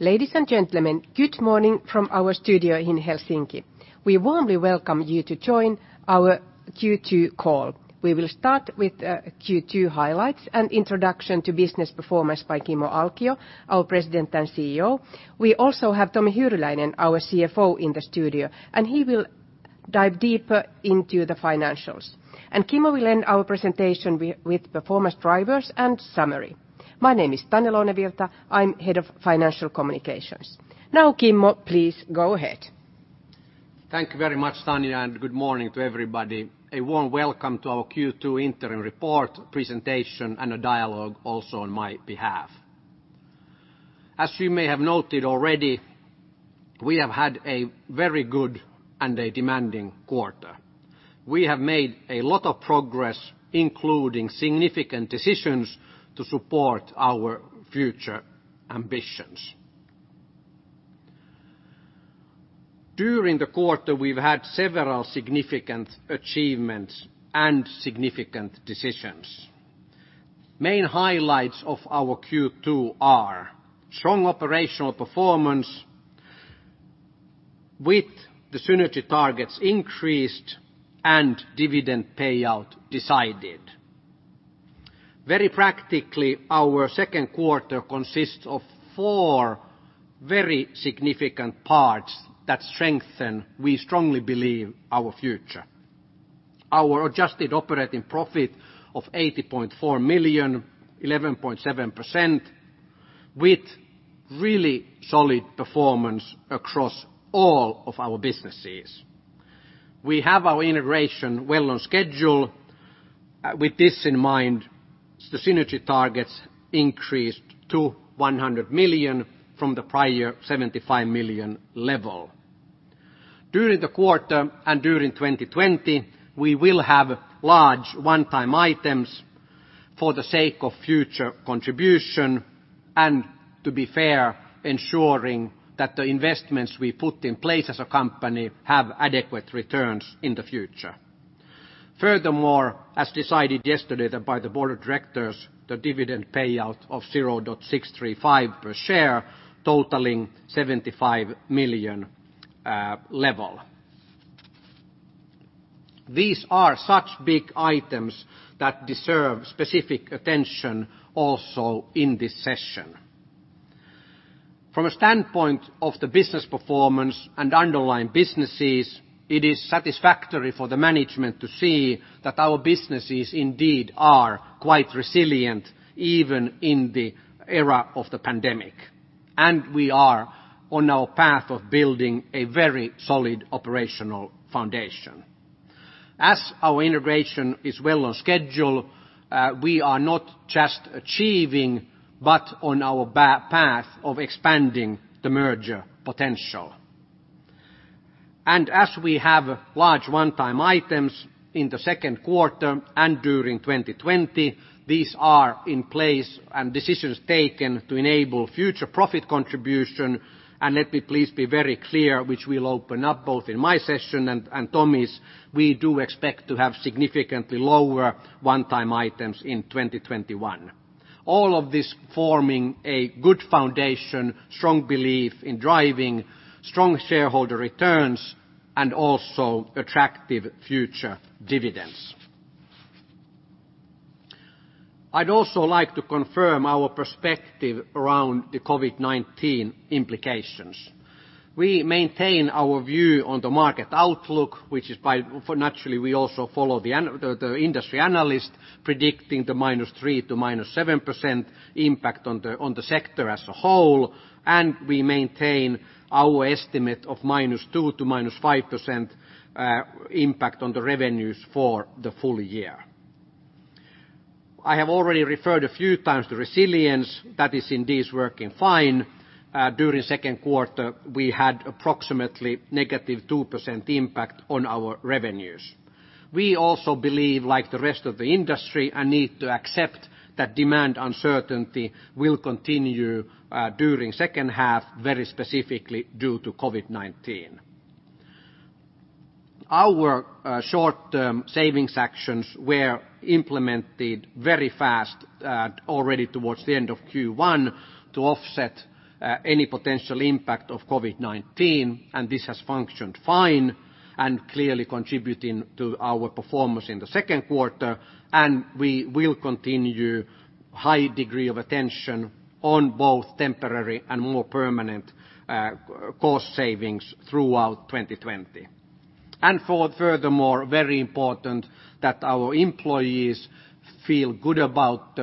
Ladies and gentlemen, good morning from our studio in Helsinki. We warmly welcome you to join our Q2 call. We will start with Q2 highlights and introduction to business performance by Kimmo Alkio, our President and CEO. We also have Tomi Hyryläinen, our CFO, in the studio, and he will dive deeper into the financials. Kimmo will end our presentation with performance drivers and summary. My name is Tanja Löunevirta. I'm Head of Financial Communications. Now, Kimmo, please go ahead. Thank you very much, Tanja, and good morning to everybody. A warm welcome to our Q2 Interim Report presentation and a dialogue also on my behalf. As you may have noted already, we have had a very good and a demanding quarter. We have made a lot of progress, including significant decisions to support our future ambitions. During the quarter, we've had several significant achievements and significant decisions. Main highlights of our Q2 are strong operational performance with the synergy targets increased and dividend payout decided. Very practically, our second quarter consists of four very significant parts that strengthen, we strongly believe, our future. Our adjusted operating profit of 80.4 million, 11.7%, with really solid performance across all of our businesses. We have our integration well on schedule. With this in mind, the synergy targets increased to 100 million from the prior 75 million level. During the quarter and during 2020, we will have large one-time items for the sake of future contribution and, to be fair, ensuring that the investments we put in place as a company have adequate returns in the future. Furthermore, as decided yesterday by the board of directors, the dividend payout of 0.635 per share, totaling 75 million level. These are such big items that deserve specific attention also in this session. From a standpoint of the business performance and underlying businesses, it is satisfactory for the management to see that our businesses indeed are quite resilient even in the era of the pandemic. We are on our path of building a very solid operational foundation. As our integration is well on schedule, we are not just achieving but on our path of expanding the merger potential. As we have large one-time items in the second quarter and during 2020, these are in place and decisions taken to enable future profit contribution. Let me please be very clear, which we will open up both in my session and Tomi's, we do expect to have significantly lower one-time items in 2021. All of this forming a good foundation, strong belief in driving strong shareholder returns and also attractive future dividends. I would also like to confirm our perspective around the COVID-19 implications. We maintain our view on the market outlook, which is by naturally we also follow the industry analyst predicting the -3% to -7% impact on the sector as a whole. We maintain our estimate of -2% to -5% impact on the revenues for the full year. I have already referred a few times to resilience. That is indeed working fine. During second quarter, we had approximately -2% impact on our revenues. We also believe, like the rest of the industry, and need to accept that demand uncertainty will continue during second half, very specifically due to COVID-19. Our short-term savings actions were implemented very fast already towards the end of Q1 to offset any potential impact of COVID-19. This has functioned fine and clearly contributing to our performance in the second quarter. We will continue high degree of attention on both temporary and more permanent cost savings throughout 2020. Furthermore, very important that our employees feel good about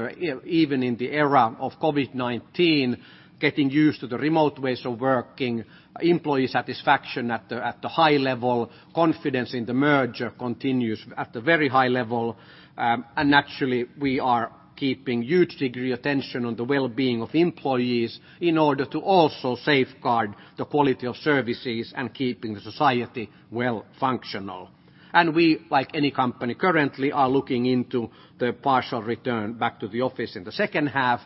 even in the era of COVID-19, getting used to the remote ways of working, employee satisfaction at the high level, confidence in the merger continues at the very high level. Actually, we are keeping a huge degree of attention on the well-being of employees in order to also safeguard the quality of services and keeping the society well functional. We, like any company currently, are looking into the partial return back to the office in the second half,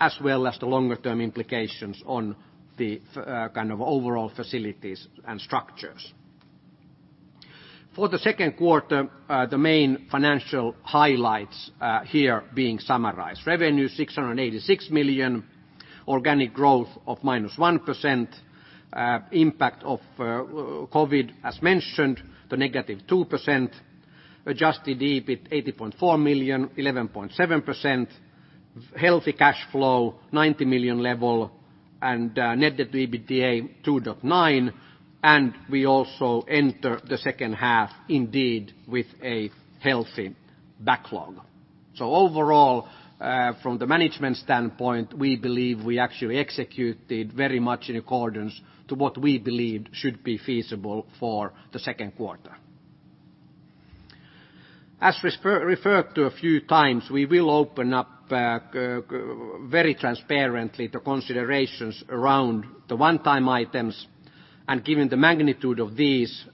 as well as the longer-term implications on the kind of overall facilities and structures. For the second quarter, the main financial highlights here being summarized. Revenue 686 million, organic growth of -1%, impact of COVID as mentioned, the -2%, adjusted EBIT 80.4 million, 11.7%, healthy cash flow 90 million level, and net debt to EBITDA 2.9 million. We also enter the second half indeed with a healthy backlog. Overall, from the management standpoint, we believe we actually executed very much in accordance to what we believe should be feasible for the second quarter. As referred to a few times, we will open up very transparently the considerations around the one-time items. Given the magnitude of these,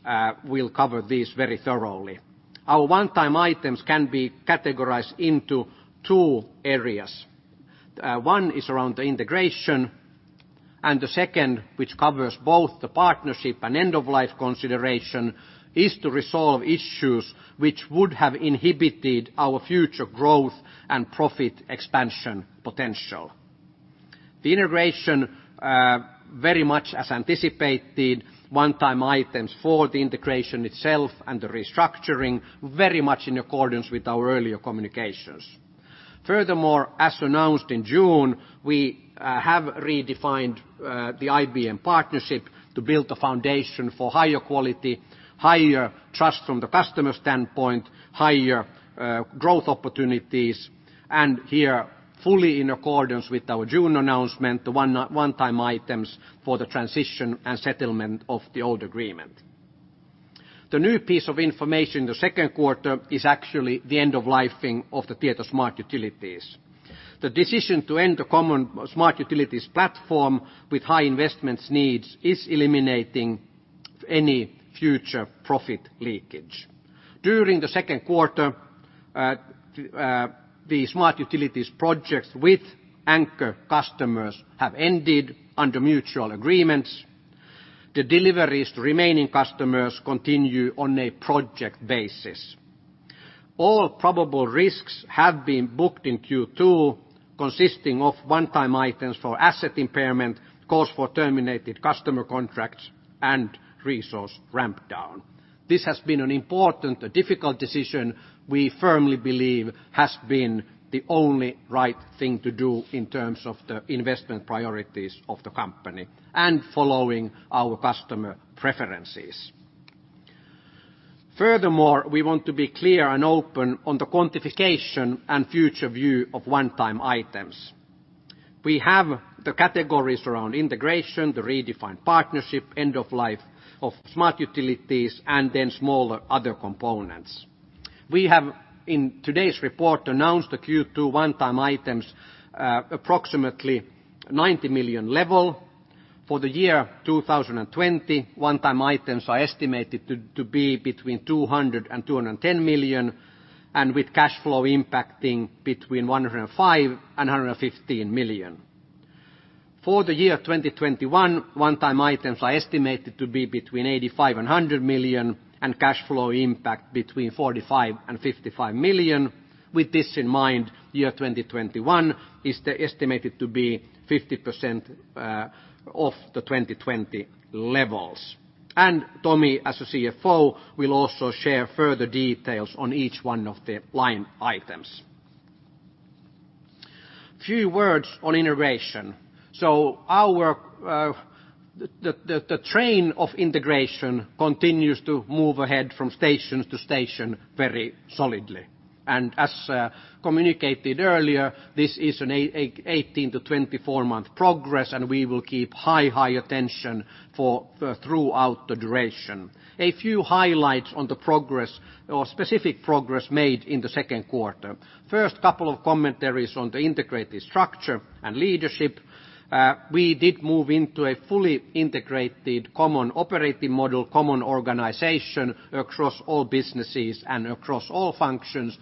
we will cover these very thoroughly. Our one-time items can be categorized into two areas. One is around the integration. The second, which covers both the partnership and end-of-life consideration, is to resolve issues which would have inhibited our future growth and profit expansion potential. The integration, very much as anticipated, one-time items for the integration itself and the restructuring, very much in accordance with our earlier communications. Furthermore, as announced in June, we have redefined the IBM partnership to build a foundation for higher quality, higher trust from the customer standpoint, higher growth opportunities, and here fully in accordance with our June announcement, the one-time items for the transition and settlement of the old agreement. The new piece of information in the second quarter is actually the end-of-life thing of the Tieto Smart Utilities. The decision to end the common smart utilities platform with high investment needs is eliminating any future profit leakage. During the second quarter, the smart utilities projects with anchor customers have ended under mutual agreements. The deliveries to remaining customers continue on a project basis. All probable risks have been booked in Q2, consisting of one-time items for asset impairment, cost for terminated customer contracts, and resource ramp down. This has been an important and difficult decision. We firmly believe has been the only right thing to do in terms of the investment priorities of the company and following our customer preferences. Furthermore, we want to be clear and open on the quantification and future view of one-time items. We have the categories around integration, the redefined partnership, end-of-life of smart utilities, and then smaller other components. We have, in today's report, announced the Q2 one-time items approximately 90 million level. For the year 2020, one-time items are estimated to be between 200 million-210 million, and with cash flow impacting between 105 million-115 million. For the year 2021, one-time items are estimated to be between 85 million-100 million, and cash flow impact between 45 million-55 million. With this in mind, year 2021 is estimated to be 50% of the 2020 levels. Tomi, as CFO, will also share further details on each one of the line items. Few words on integration. The train of integration continues to move ahead from station to station very solidly. As communicated earlier, this is an 18 month-24 month progress, and we will keep high, high attention throughout the duration. A few highlights on the progress or specific progress made in the second quarter. First, a couple of commentaries on the integrated structure and leadership. We did move into a fully integrated common operating model, common organization across all businesses and across all functions.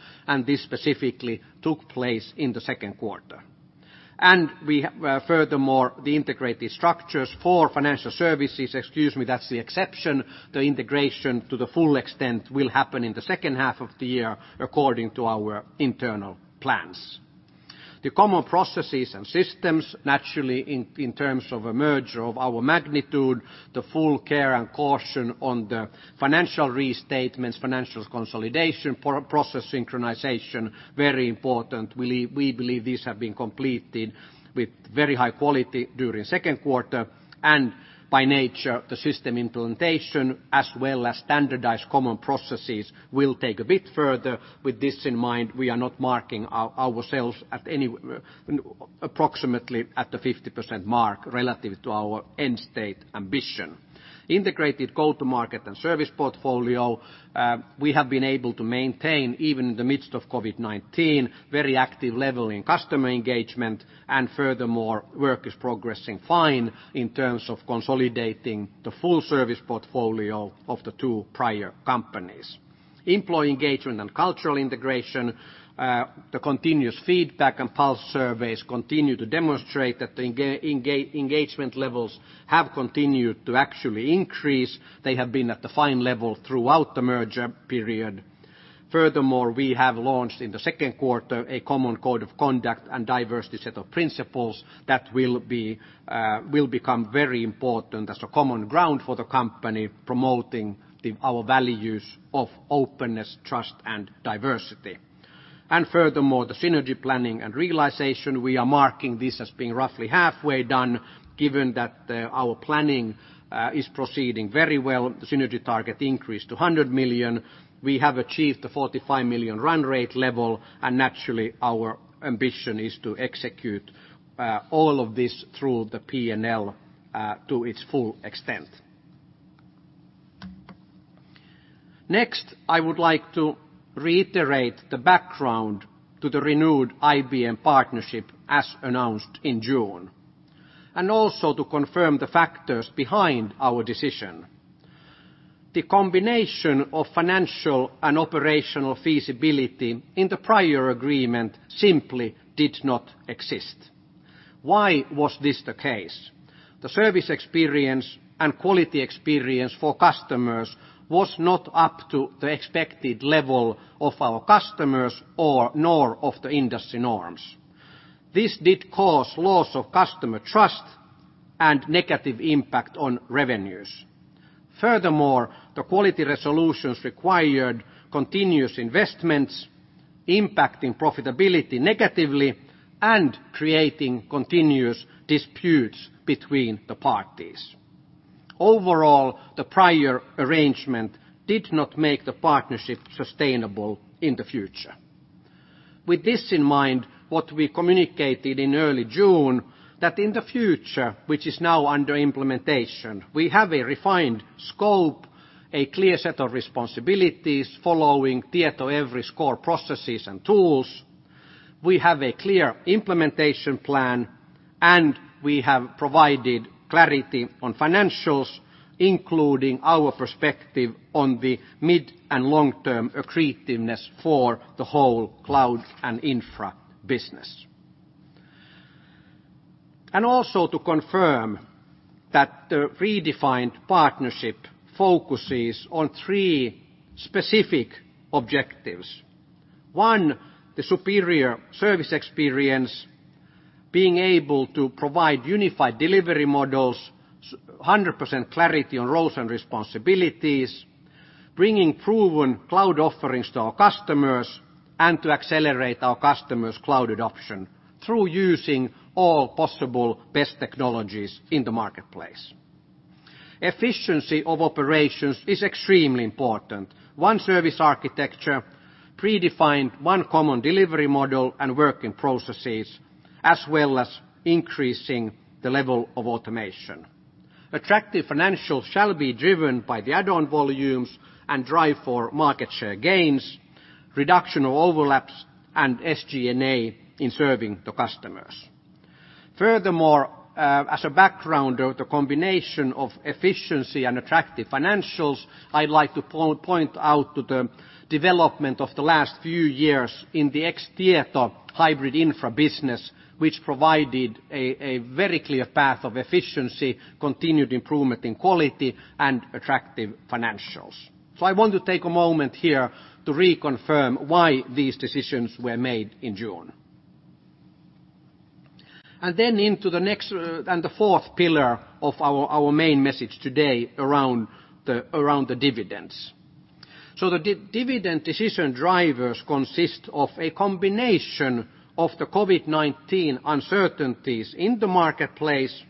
This specifically took place in the second quarter. Furthermore, the integrated structures for financial services, excuse me, that is the exception, the integration to the full extent will happen in the second half of the year according to our internal plans. The common processes and systems, naturally in terms of a merger of our magnitude, the full care and caution on the financial restatements, financial consolidation process synchronization, very important. We believe these have been completed with very high quality during the second quarter. By nature, the system implementation as well as standardized common processes will take a bit further. With this in mind, we are now marking ourselves at approximately the 50% mark relative to our end state ambition. Integrated go-to-market and service portfolio, we have been able to maintain even in the midst of COVID-19, very active level in customer engagement. Furthermore, work is progressing fine in terms of consolidating the full service portfolio of the two prior companies. Employee engagement and cultural integration, the continuous feedback and pulse surveys continue to demonstrate that the engagement levels have continued to actually increase. They have been at the fine level throughout the merger period. Furthermore, we have launched in the second quarter a common code of conduct and diversity set of principles that will become very important as a common ground for the company promoting our values of openness, trust, and diversity. Furthermore, the synergy planning and realization, we are marking this as being roughly halfway done given that our planning is proceeding very well. The synergy target increased to 100 million. We have achieved the 45 million run rate level. Naturally, our ambition is to execute all of this through the P&L to its full extent. Next, I would like to reiterate the background to the renewed IBM partnership as announced in June. I would also like to confirm the factors behind our decision. The combination of financial and operational feasibility in the prior agreement simply did not exist. Why was this the case? The service experience and quality experience for customers was not up to the expected level of our customers nor of the industry norms. This did cause loss of customer trust and negative impact on revenues. Furthermore, the quality resolutions required continuous investments impacting profitability negatively and creating continuous disputes between the parties. Overall, the prior arrangement did not make the partnership sustainable in the future. With this in mind, what we communicated in early June, that in the future, which is now under implementation, we have a refined scope, a clear set of responsibilities following Tietoevry's core processes and tools. We have a clear implementation plan, and we have provided clarity on financials, including our perspective on the mid and long-term accretiveness for the whole cloud and infra business. Also to confirm that the redefined partnership focuses on three specific objectives. One, the superior service experience, being able to provide unified delivery models, 100% clarity on roles and responsibilities, bringing proven cloud offerings to our customers, and to accelerate our customers' cloud adoption through using all possible best technologies in the marketplace. Efficiency of operations is extremely important. One service architecture, predefined one common delivery model and working processes, as well as increasing the level of automation. Attractive financials shall be driven by the add-on volumes and drive for market share gains, reduction of overlaps, and SG&A in serving the customers. Furthermore, as a background of the combination of efficiency and attractive financials, I'd like to point out the development of the last few years in the ex-Tieto hybrid infra business, which provided a very clear path of efficiency, continued improvement in quality, and attractive financials. I want to take a moment here to reconfirm why these decisions were made in June. Then into the next and the fourth pillar of our main message today around the dividends. The dividend decision drivers consist of a combination of the COVID-19 uncertainties in the marketplace,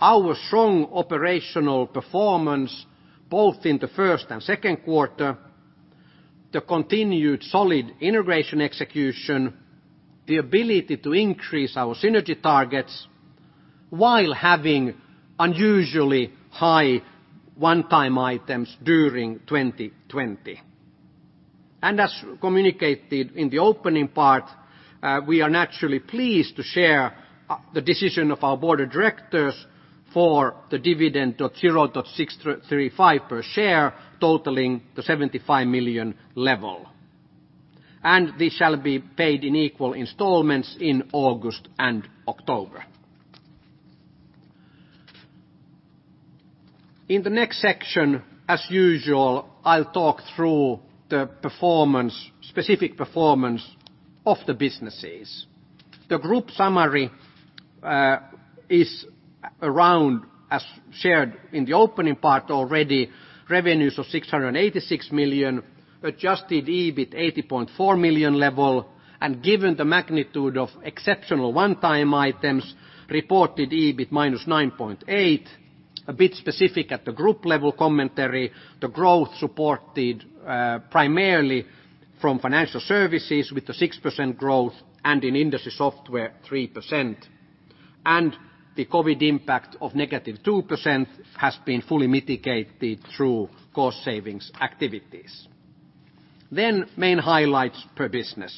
our strong operational performance both in the first and second quarter, the continued solid integration execution, the ability to increase our synergy targets while having unusually high one-time items during 2020. As communicated in the opening part, we are naturally pleased to share the decision of our board of directors for the dividend of 0.635 per share, totaling the 75 million level. These shall be paid in equal installments in August and October. In the next section, as usual, I'll talk through the performance, specific performance of the businesses. The group summary is around, as shared in the opening part already, revenues of 686 million, adjusted EBIT 80.4 million level, and given the magnitude of exceptional one-time items, reported EBIT -9.8 million, a bit specific at the group level commentary, the growth supported primarily from financial services with the 6% growth and in industry software 3%. The COVID impact of -2% has been fully mitigated through cost savings activities. Main highlights per business.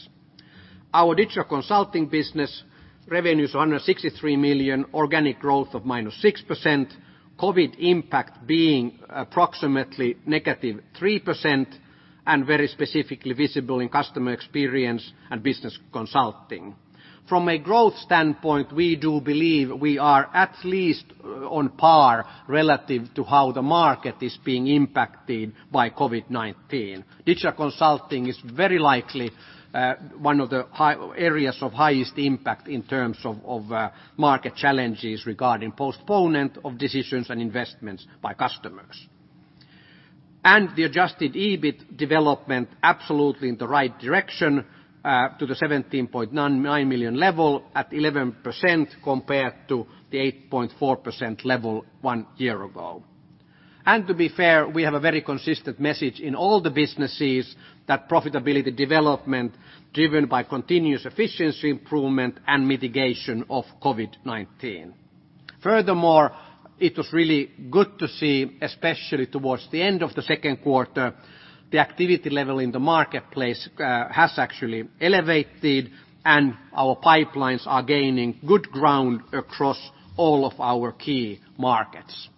Our digital consulting business, revenues of 163 million, organic growth of -6%, COVID impact being approximately -3%, and very specifically visible in customer experience and business consulting. From a growth standpoint, we do believe we are at least on par relative to how the market is being impacted by COVID-19. Digital consulting is very likely one of the areas of highest impact in terms of market challenges regarding postponement of decisions and investments by customers. The adjusted EBIT development absolutely in the right direction to the 17.9 million level at 11% compared to the 8.4% level one year ago. To be fair, we have a very consistent message in all the businesses that profitability development driven by continuous efficiency improvement and mitigation of COVID-19. Furthermore, it was really good to see, especially towards the end of the second quarter, the activity level in the marketplace has actually elevated, and our pipelines are gaining good ground across all of our key markets.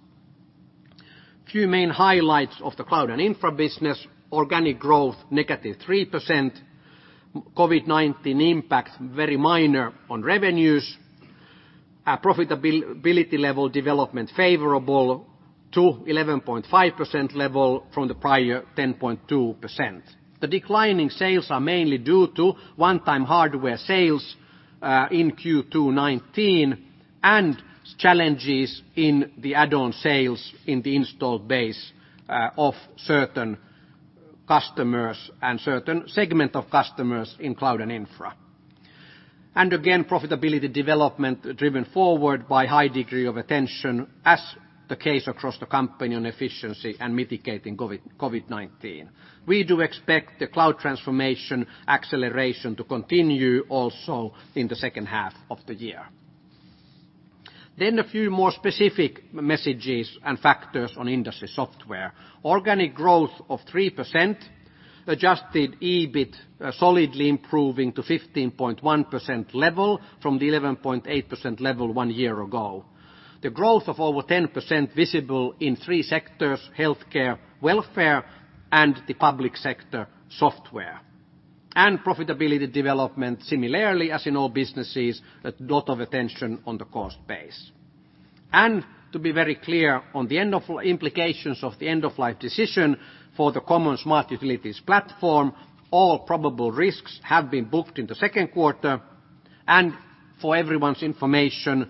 Few main highlights of the cloud and infra business: organic growth -3%, COVID-19 impact very minor on revenues, profitability level development favorable to 11.5% level from the prior 10.2%. The declining sales are mainly due to one-time hardware sales in Q2 2019 and challenges in the add-on sales in the installed base of certain customers and certain segment of customers in cloud and infra. Profitability development driven forward by high degree of attention, as the case across the company on efficiency and mitigating COVID-19. We do expect the cloud transformation acceleration to continue also in the second half of the year. A few more specific messages and factors on industry software. Organic growth of 3%, adjusted EBIT solidly improving to 15.1% level from the 11.8% level one year ago. The growth of over 10% visible in three sectors: healthcare, welfare, and the public sector software. Profitability development similarly, as in all businesses, a lot of attention on the cost base. To be very clear on the implications of the end-of-life decision for the common smart utilities platform, all probable risks have been booked in the second quarter. For everyone's information,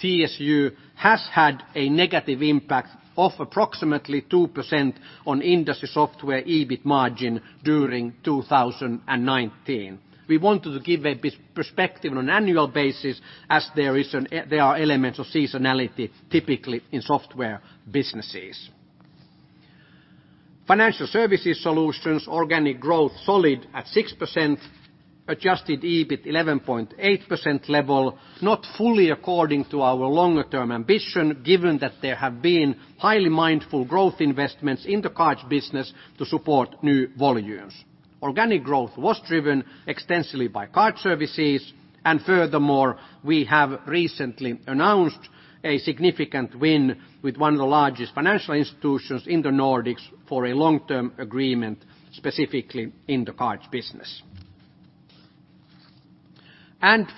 TSU has had a negative impact of approximately 2% on industry software EBIT margin during 2019. We wanted to give a perspective on an annual basis as there are elements of seasonality typically in software businesses. Financial services solutions, organic growth solid at 6%, adjusted EBIT 11.8% level, not fully according to our longer-term ambition, given that there have been highly mindful growth investments in the cards business to support new volumes. Organic growth was driven extensively by card services, and furthermore, we have recently announced a significant win with one of the largest financial institutions in the Nordics for a long-term agreement specifically in the cards business.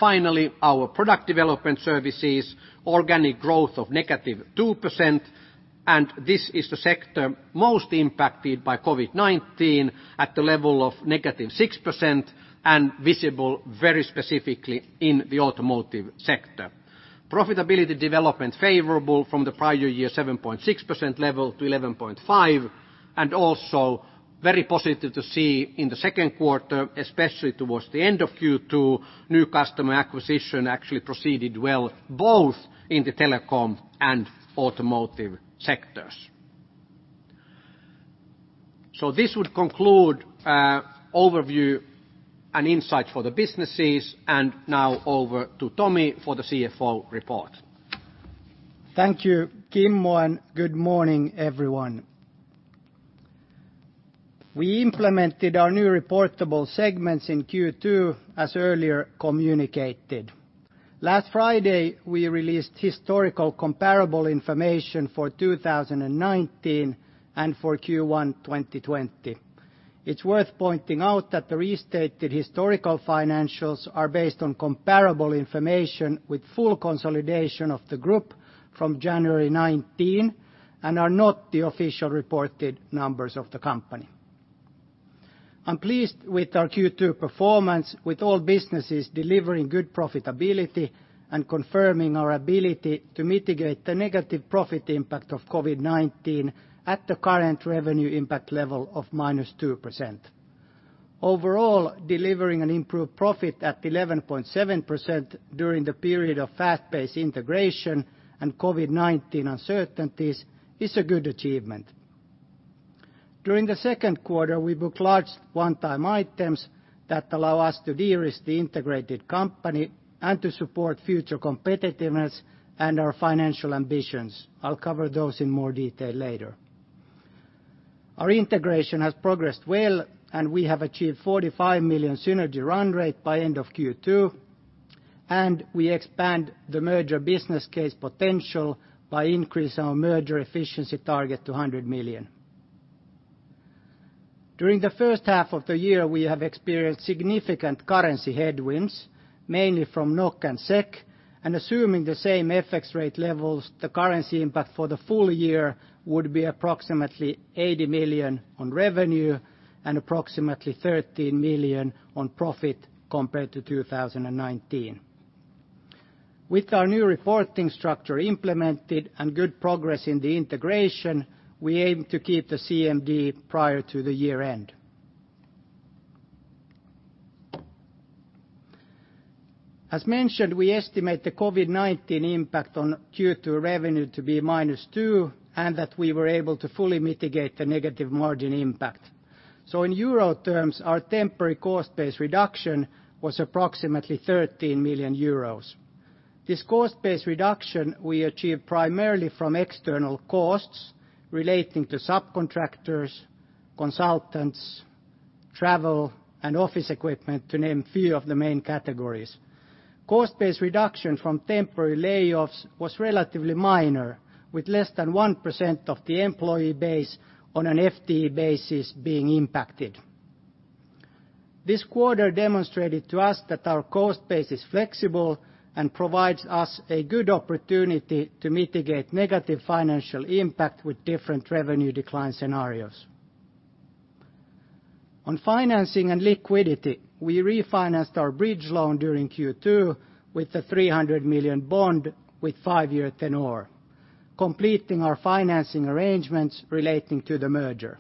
Finally, our product development services, organic growth of -2%, and this is the sector most impacted by COVID-19 at the level of -6% and visible very specifically in the automotive sector. Profitability development favorable from the prior year 7.6% level-11.5% level, and also very positive to see in the second quarter, especially towards the end of Q2, new customer acquisition actually proceeded well both in the telecom and automotive sectors. This would conclude overview and insights for the businesses, and now over to Tomi for the CFO report. Thank you, Kimmo, and good morning, everyone. We implemented our new reportable segments in Q2, as earlier communicated. Last Friday, we released historical comparable information for 2019 and for Q1 2020. It's worth pointing out that the restated historical financials are based on comparable information with full consolidation of the group from January 2019 and are not the official reported numbers of the company. I'm pleased with our Q2 performance, with all businesses delivering good profitability and confirming our ability to mitigate the negative profit impact of COVID-19 at the current revenue impact level of -2%. Overall, delivering an improved profit at 11.7% during the period of fast-paced integration and COVID-19 uncertainties is a good achievement. During the second quarter, we booked large one-time items that allow us to de-risk the integrated company and to support future competitiveness and our financial ambitions. I'll cover those in more detail later. Our integration has progressed well, and we have achieved 45 million synergy run rate by end of Q2, and we expand the merger business case potential by increasing our merger efficiency target to 100 million. During the first half of the year, we have experienced significant currency headwinds, mainly from NOK and SEK, and assuming the same FX rate levels, the currency impact for the full year would be approximately 80 million on revenue and approximately 13 million on profit compared to 2019. With our new reporting structure implemented and good progress in the integration, we aim to keep the CMD prior to the year-end. As mentioned, we estimate the COVID-19 impact on Q2 revenue to be -2% and that we were able to fully mitigate the negative margin impact. In Euro terms, our temporary cost-based reduction was approximately 13 million euros. This cost-based reduction we achieved primarily from external costs relating to subcontractors, consultants, travel, and office equipment to name a few of the main categories. Cost-based reduction from temporary layoffs was relatively minor, with less than 1% of the employee base on an FTE basis being impacted. This quarter demonstrated to us that our cost base is flexible and provides us a good opportunity to mitigate negative financial impact with different revenue decline scenarios. On financing and liquidity, we refinanced our bridge loan during Q2 with the 300 million bond with five-year tenor, completing our financing arrangements relating to the merger.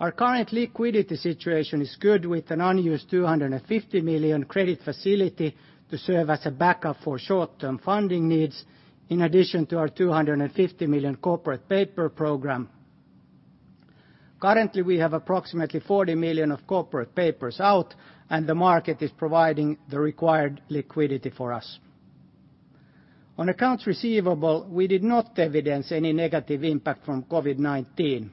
Our current liquidity situation is good with an unused 250 million credit facility to serve as a backup for short-term funding needs in addition to our 250 million corporate paper program. Currently, we have approximately 40 million of corporate papers out, and the market is providing the required liquidity for us. On accounts receivable, we did not evidence any negative impact from COVID-19.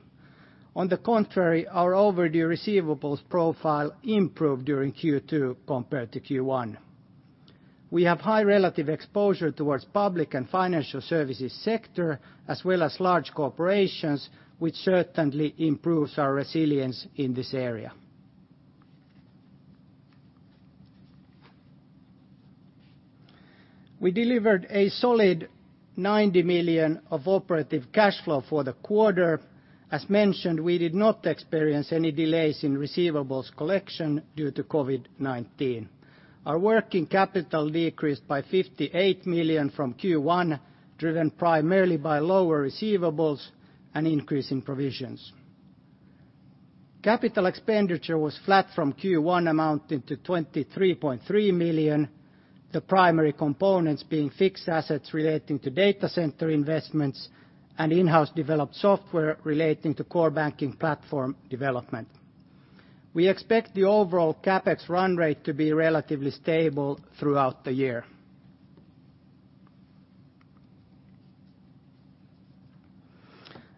On the contrary, our overdue receivables profile improved during Q2 compared to Q1. We have high relative exposure towards public and financial services sector, as well as large corporations, which certainly improves our resilience in this area. We delivered a solid 90 million of operative cash flow for the quarter. As mentioned, we did not experience any delays in receivables collection due to COVID-19. Our working capital decreased by 58 million from Q1, driven primarily by lower receivables and increasing provisions. Capital Expenditure was flat from Q1, amounting to 23.3 million, the primary components being fixed assets relating to data center investments and in-house developed software relating to core banking platform development. We expect the overall CapEx run rate to be relatively stable throughout the year.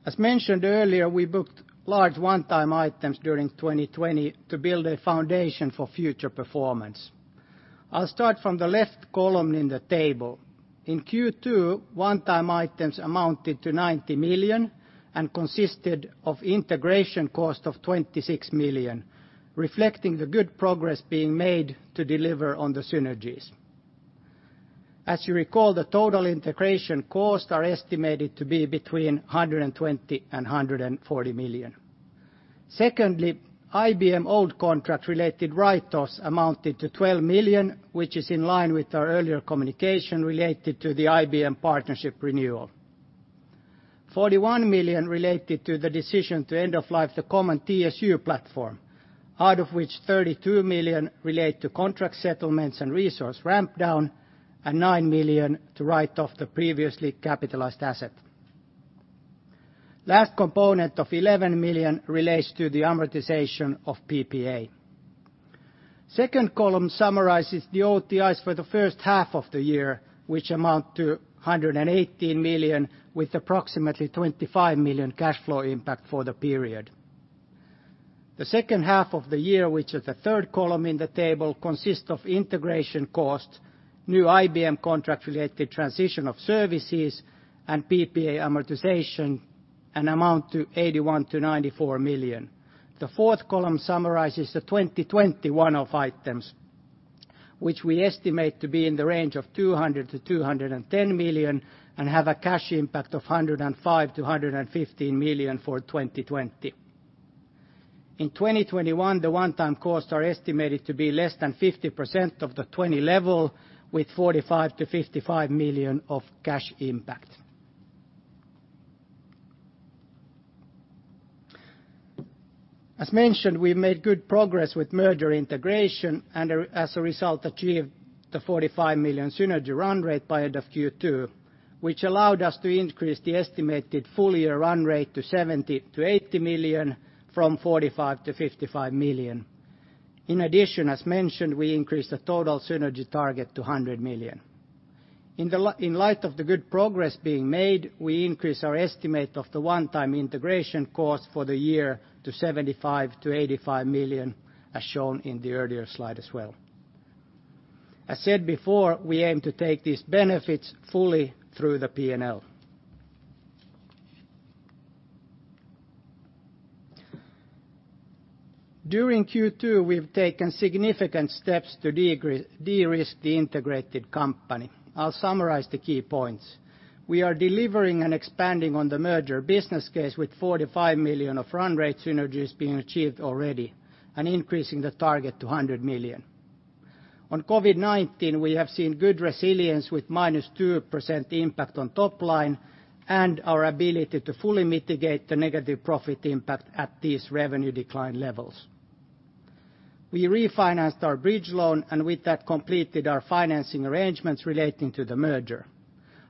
As mentioned earlier, we booked large one-time items during 2020 to build a foundation for future performance. I'll start from the left column in the table. In Q2, one-time items amounted to 90 million and consisted of integration cost of 26 million, reflecting the good progress being made to deliver on the synergies. As you recall, the total integration costs are estimated to be between 120 million and 140 million. Secondly, IBM old contract-related write-offs amounted to 12 million, which is in line with our earlier communication related to the IBM partnership renewal. 41 million related to the decision to end of life the common TSU platform, out of which 32 million relate to contract settlements and resource ramp-down, and 9 million to write off the previously capitalized asset. Last component of 11 million relates to the amortization of PPA. Second column summarizes the OTIs for the first half of the year, which amount to 118 million, with approximately 25 million cash flow impact for the period. The second half of the year, which is the third column in the table, consists of integration costs, new IBM contract-related transition of services, and PPA amortization, and amount to 81 million-94 million. The fourth column summarizes the 2020 one-off items, which we estimate to be in the range of 200 million-210 million and have a cash impact of 105 million-115 million for 2020. In 2021, the one-time costs are estimated to be less than 50% of the 2020 level, with 45 million-55 million of cash impact. As mentioned, we made good progress with merger integration and, as a result, achieved the 45 million synergy run rate by end of Q2, which allowed us to increase the estimated full-year run rate to 70 million-80 million from 45 million-55 million. In addition, as mentioned, we increased the total synergy target to 100 million. In light of the good progress being made, we increased our estimate of the one-time integration cost for the year to 75 million-85 million, as shown in the earlier slide as well. As said before, we aim to take these benefits fully through the P&L. During Q2, we've taken significant steps to de-risk the integrated company. I'll summarize the key points. We are delivering and expanding on the merger business case with 45 million of run rate synergies being achieved already and increasing the target to 100 million. On COVID-19, we have seen good resilience with -2% impact on top line and our ability to fully mitigate the negative profit impact at these revenue decline levels. We refinanced our bridge loan and with that completed our financing arrangements relating to the merger.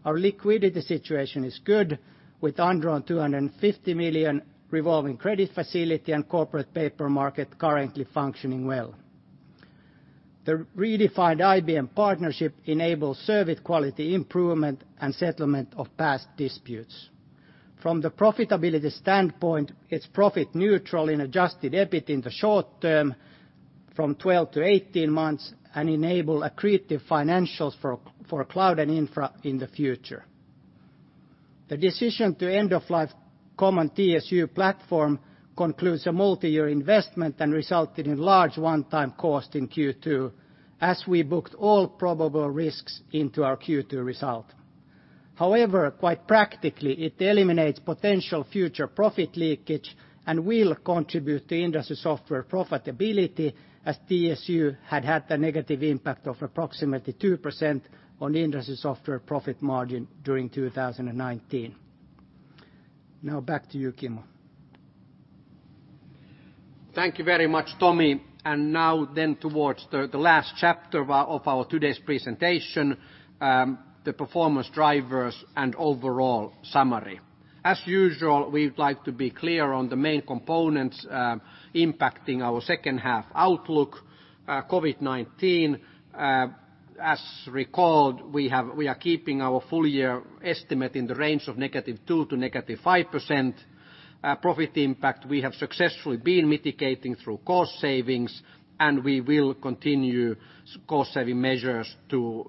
Our liquidity situation is good, with under 250 million revolving credit facility and corporate paper market currently functioning well. The redefined IBM partnership enables service quality improvement and settlement of past disputes. From the profitability standpoint, it's profit neutral in adjusted EBIT in the short term from 12 months-18 months and enables accretive financials for cloud and infra in the future. The decision to end of life common TSU platform concludes a multi-year investment and resulted in large one-time cost in Q2, as we booked all probable risks into our Q2 result. However, quite practically, it eliminates potential future profit leakage and will contribute to industry software profitability, as TSU had had a negative impact of approximately 2% on industry software profit margin during 2019. Now back to you, Kimmo. Thank you very much, Tomi. Now then towards the last chapter of our today's presentation, the performance drivers and overall summary. As usual, we would like to be clear on the main components impacting our second half outlook, COVID-19. As recalled, we are keeping our full-year estimate in the range of -2% to -5%. Profit impact we have successfully been mitigating through cost savings, and we will continue cost-saving measures to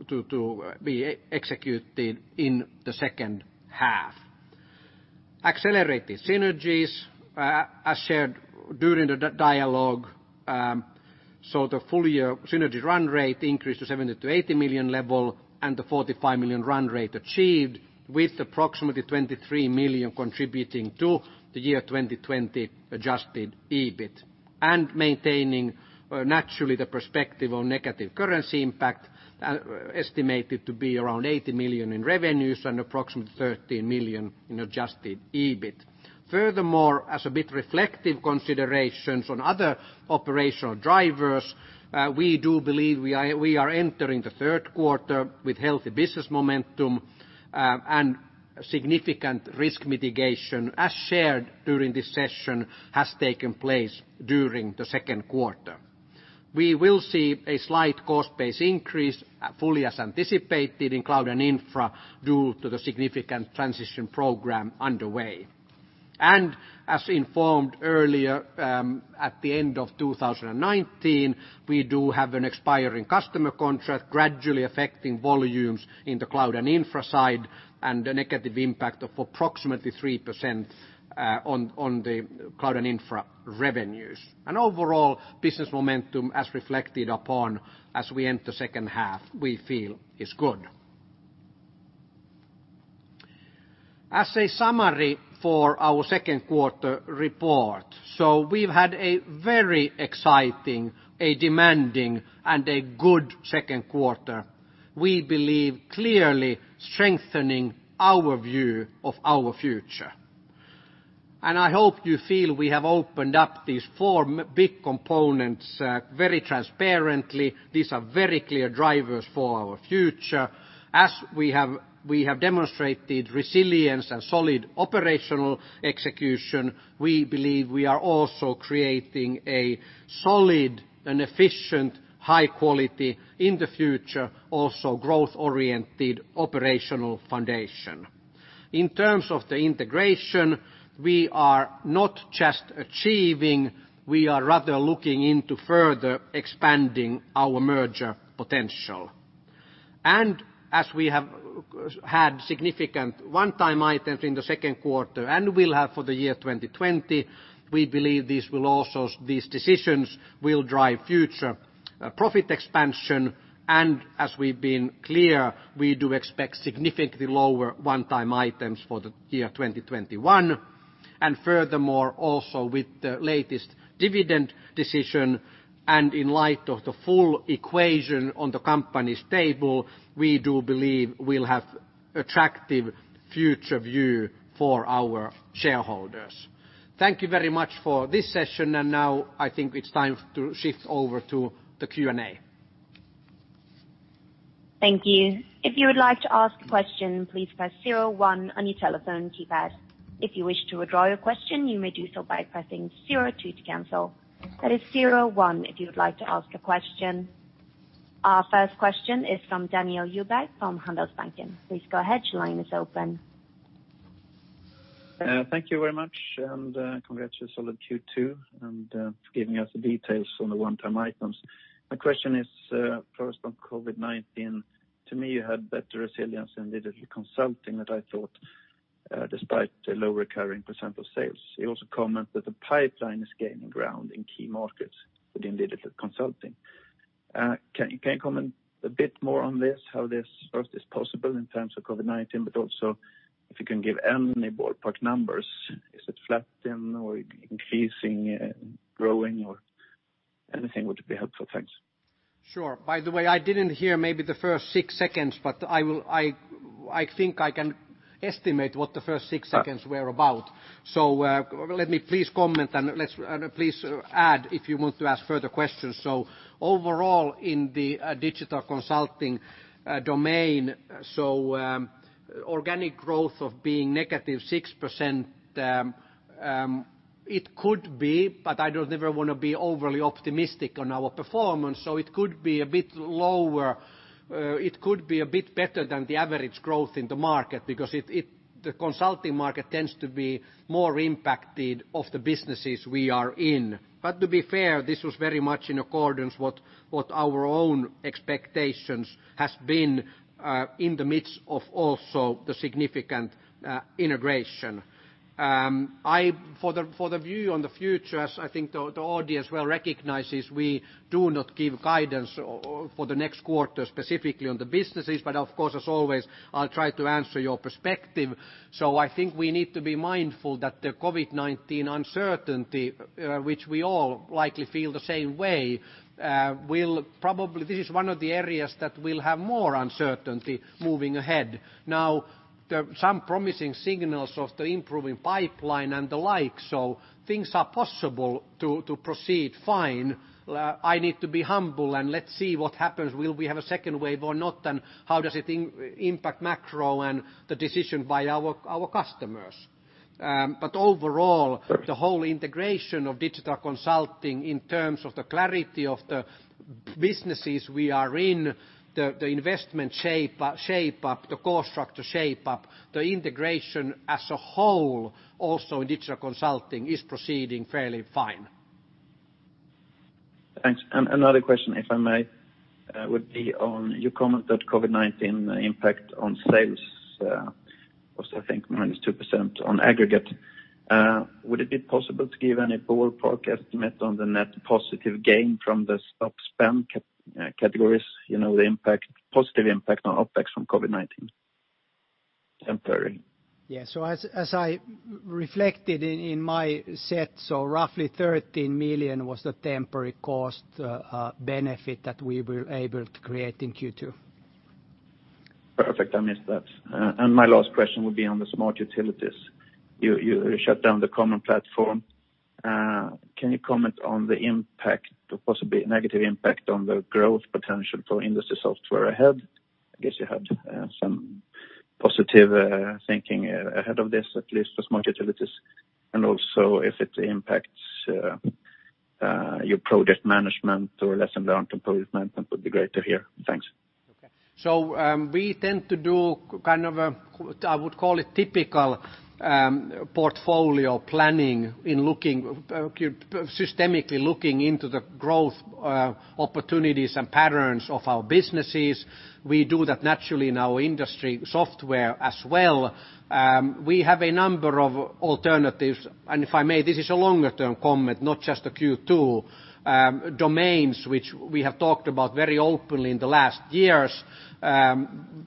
be executed in the second half. Accelerated synergies, as shared during the dialogue, so the full-year synergy run rate increased to 70 million-80 million level and the 45 million run rate achieved, with approximately 23 million contributing to the year 2020 adjusted EBIT. Maintaining, naturally, the perspective on negative currency impact, estimated to be around 80 million in revenues and approximately 13 million in adjusted EBIT. Furthermore, as a bit reflective considerations on other operational drivers, we do believe we are entering the third quarter with healthy business momentum and significant risk mitigation, as shared during this session, has taken place during the second quarter. We will see a slight cost-based increase, fully as anticipated in cloud and infra due to the significant transition program underway. As informed earlier, at the end of 2019, we do have an expiring customer contract gradually affecting volumes in the cloud and infra side and the negative impact of approximately 3% on the cloud and infra revenues. Overall, business momentum, as reflected upon as we enter the second half, we feel is good. As a summary for our second quarter report, we have had a very exciting, a demanding, and a good second quarter. We believe clearly strengthening our view of our future. I hope you feel we have opened up these four big components very transparently. These are very clear drivers for our future. As we have demonstrated resilience and solid operational execution, we believe we are also creating a solid and efficient, high-quality in the future, also growth-oriented operational foundation. In terms of the integration, we are not just achieving; we are rather looking into further expanding our merger potential. As we have had significant one-time items in the second quarter and will have for the year 2020, we believe these decisions will drive future profit expansion. As we've been clear, we do expect significantly lower one-time items for the year 2021. Furthermore, also with the latest dividend decision and in light of the full equation on the company's table, we do believe we'll have an attractive future view for our shareholders. Thank you very much for this session, and now I think it's time to shift over to the Q&A. Thank you. If you would like to ask a question, please press zero one on your telephone keypad. If you wish to withdraw your question, you may do so by pressing zero two to cancel. That is zero one if you would like to ask a question. Our first question is from Daniel Yrbäck from Handelsbanken. Please go ahead. Your line is open. Thank you very much, and congrats for the solid Q2 and for giving us the details on the one-time items. My question is, first on COVID-19. To me, you had better resilience in digital consulting than I thought, despite the low recurring percent of sales. You also comment that the pipeline is gaining ground in key markets within digital consulting. Can you comment a bit more on this, how this first is possible in terms of COVID-19, but also if you can give any ballpark numbers? Is it flattening or increasing, growing, or anything would be helpful? Thanks. Sure. By the way, I did not hear maybe the first six seconds, but I think I can estimate what the first six seconds were about. Let me please comment, and please add if you want to ask further questions. Overall, in the digital consulting domain, organic growth of being -6%, it could be, but I do not ever want to be overly optimistic on our performance. It could be a bit lower, it could be a bit better than the average growth in the market because the consulting market tends to be more impacted by the businesses we are in. To be fair, this was very much in accordance with what our own expectations have been in the midst of also the significant integration. For the view on the future, as I think the audience well recognizes, we do not give guidance for the next quarter specifically on the businesses, but of course, as always, I will try to answer your perspective. I think we need to be mindful that the COVID-19 uncertainty, which we all likely feel the same way, will probably—this is one of the areas that will have more uncertainty moving ahead. Now, some promising signals of the improving pipeline and the like, so things are possible to proceed fine. I need to be humble, and let's see what happens. Will we have a second wave or not, and how does it impact macro and the decision by our customers? Overall, the whole integration of digital consulting in terms of the clarity of the businesses we are in, the investment shape-up, the cost structure shape-up, the integration as a whole also in digital consulting is proceeding fairly fine. Thanks. Another question, if I may, would be on your comment that COVID-19 impact on sales was, I think, -2% on aggregate. Would it be possible to give any ballpark estimate on the net positive gain from the stock spend categories, the positive impact on OpEx from COVID-19 temporarily? Yeah. As I reflected in my set, roughly 13 million was the temporary cost benefit that we were able to create in Q2. Perfect. I missed that. My last question would be on the smart utilities. You shut down the common platform. Can you comment on the impact, the possibly negative impact on the growth potential for industry software ahead? I guess you had some positive thinking ahead of this, at least for smart utilities. Also, if it impacts your project management or lesson learned from project management, would be great to hear. Thanks. Okay. We tend to do kind of a, I would call it, typical portfolio planning in looking systemically into the growth opportunities and patterns of our businesses. We do that naturally in our industry software as well. We have a number of alternatives, and if I may, this is a longer-term comment, not just the Q2, domains which we have talked about very openly in the last years.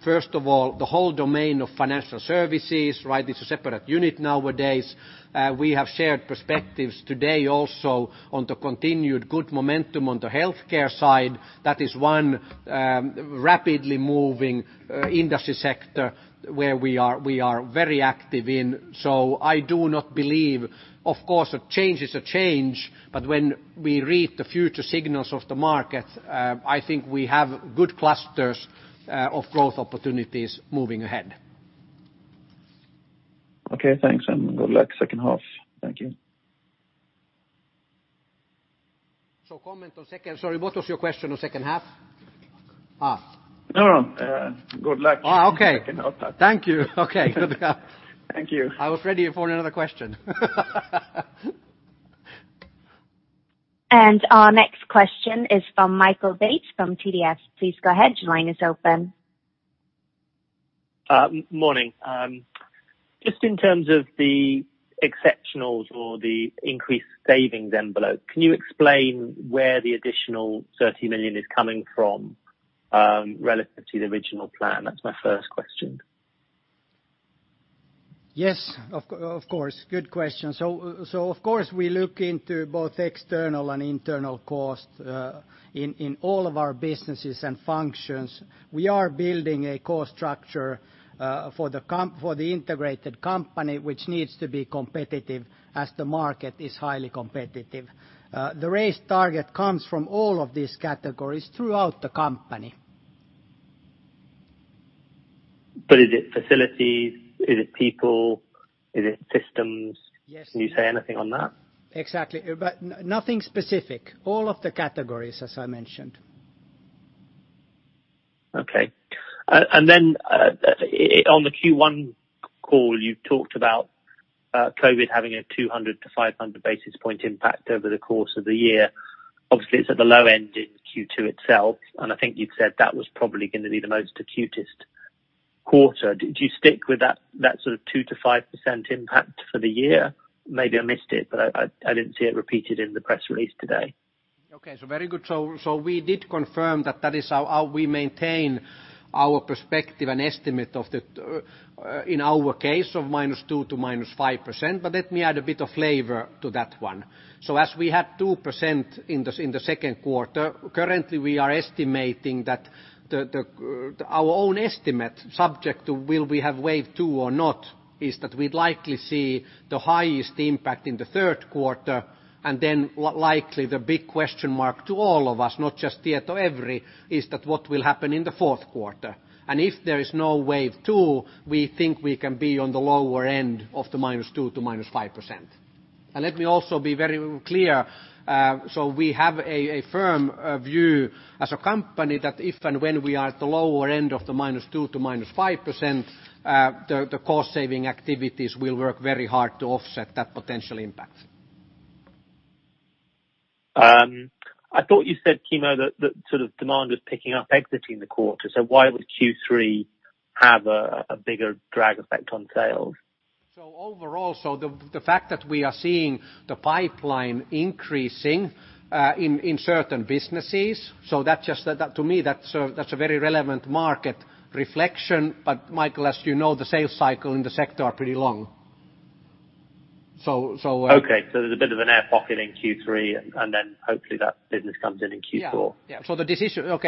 First of all, the whole domain of financial services, right? It's a separate unit nowadays. We have shared perspectives today also on the continued good momentum on the healthcare side. That is one rapidly moving industry sector where we are very active in. I do not believe, of course, a change is a change, but when we read the future signals of the markets, I think we have good clusters of growth opportunities moving ahead. Okay. Thanks. Good luck second half. Thank you. Comment on second—sorry, what was your question on second half? No, no. Good luck. Second half. Thank you. Okay. Good luck. Thank you. I was ready for another question. Our next question is from Michael Bates from TDS. Please go ahead. Your line is open. Morning. Just in terms of the exceptionals or the increased savings envelope, can you explain where the additional 30 million is coming from relative to the original plan? That's my first question. Yes, of course. Good question. Of course, we look into both external and internal cost in all of our businesses and functions. We are building a cost structure for the integrated company, which needs to be competitive as the market is highly competitive. The raised target comes from all of these categories throughout the company. But is it facilities? Is it people? Is it systems? Can you say anything on that? Exactly. But nothing specific. All of the categories, as I mentioned. Okay. On the Q1 call, you talked about COVID-19 having a 200 basis point-500 basis point impact over the course of the year. Obviously, it is at the low end in Q2 itself, and I think you said that was probably going to be the most acutest quarter. Do you stick with that sort of 2%-5% impact for the year? Maybe I missed it, but I did not see it repeated in the press release today. Okay. Very good. We did confirm that that is how we maintain our perspective and estimate of the, in our case, of -2% to -5%, but let me add a bit of flavor to that one. As we had 2% in the second quarter, currently we are estimating that our own estimate, subject to whether we have wave two or not, is that we'd likely see the highest impact in the third quarter. The big question mark to all of us, not just Tietoevry, is what will happen in the fourth quarter. If there is no wave two, we think we can be on the lower end of the -2% to -5%. Let me also be very clear. We have a firm view as a company that if and when we are at the lower end of the -2% to -5%, the cost-saving activities will work very hard to offset that potential impact. I thought you said, Kimmo, that sort of demand was picking up exiting the quarter. Why would Q3 have a bigger drag effect on sales? Overall, the fact that we are seeing the pipeline increasing in certain businesses, that is a very relevant market reflection. Michael, as you know, the sales cycle in the sector is pretty long. There is a bit of an air pocket in Q3, and then hopefully that business comes in in Q4. The decision,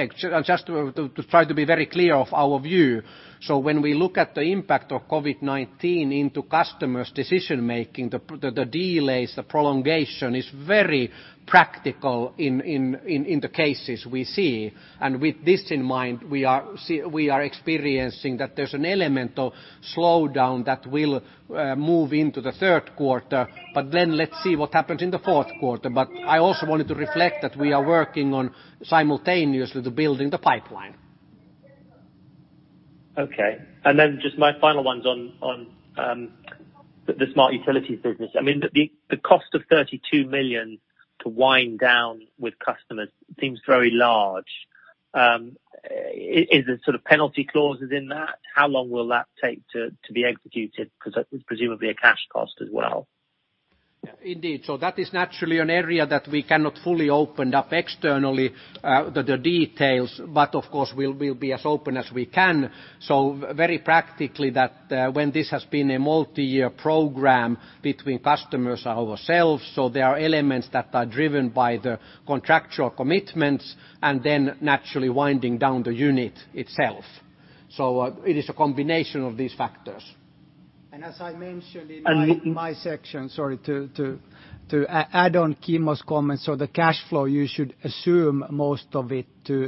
just to try to be very clear of our view, when we look at the impact of COVID-19 into customers' decision-making, the delays, the prolongation is very practical in the cases we see. With this in mind, we are experiencing that there is an element of slowdown that will move into the third quarter, but then let's see what happens in the fourth quarter. I also wanted to reflect that we are working on simultaneously building the pipeline. Okay. And then just my final ones on the smart utilities business. I mean, the cost of 32 million to wind down with customers seems very large. Is there sort of penalty clauses in that? How long will that take to be executed? Because it is presumably a cash cost as well. Yeah. Indeed. That is naturally an area that we cannot fully open up externally, the details, but of course, we will be as open as we can. Very practically, this has been a multi-year program between customers and ourselves, so there are elements that are driven by the contractual commitments and then naturally winding down the unit itself. It is a combination of these factors. As I mentioned in my section, sorry, to add on Kimmo's comment, the cash flow, you should assume most of it to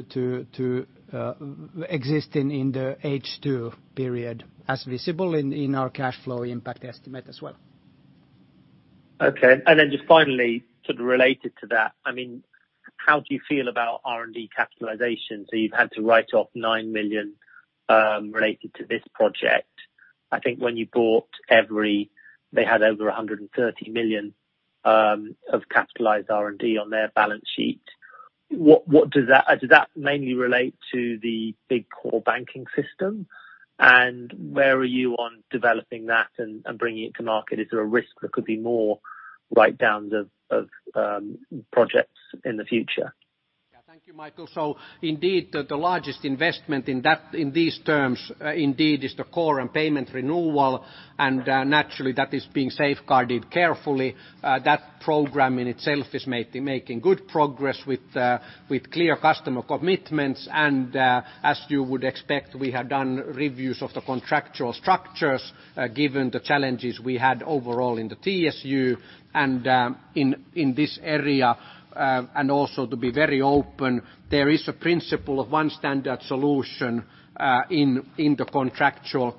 exist in the H2 period as visible in our cash flow impact estimate as well. Okay. Just finally, sort of related to that, I mean, how do you feel about R&D capitalization? You have had to write off 9 million related to this project. I think when you bought EVRY, they had over 130 million of capitalized R&D on their balance sheet. What does that—does that mainly relate to the big core banking system? Where are you on developing that and bringing it to market? Is there a risk there could be more write-downs of projects in the future? Yeah. Thank you, Michael. Indeed, the largest investment in these terms indeed is the core and payment renewal, and naturally, that is being safeguarded carefully. That program in itself is making good progress with clear customer commitments. As you would expect, we have done reviews of the contractual structures given the challenges we had overall in the TSU and in this area. Also, to be very open, there is a principle of one standard solution in the contractual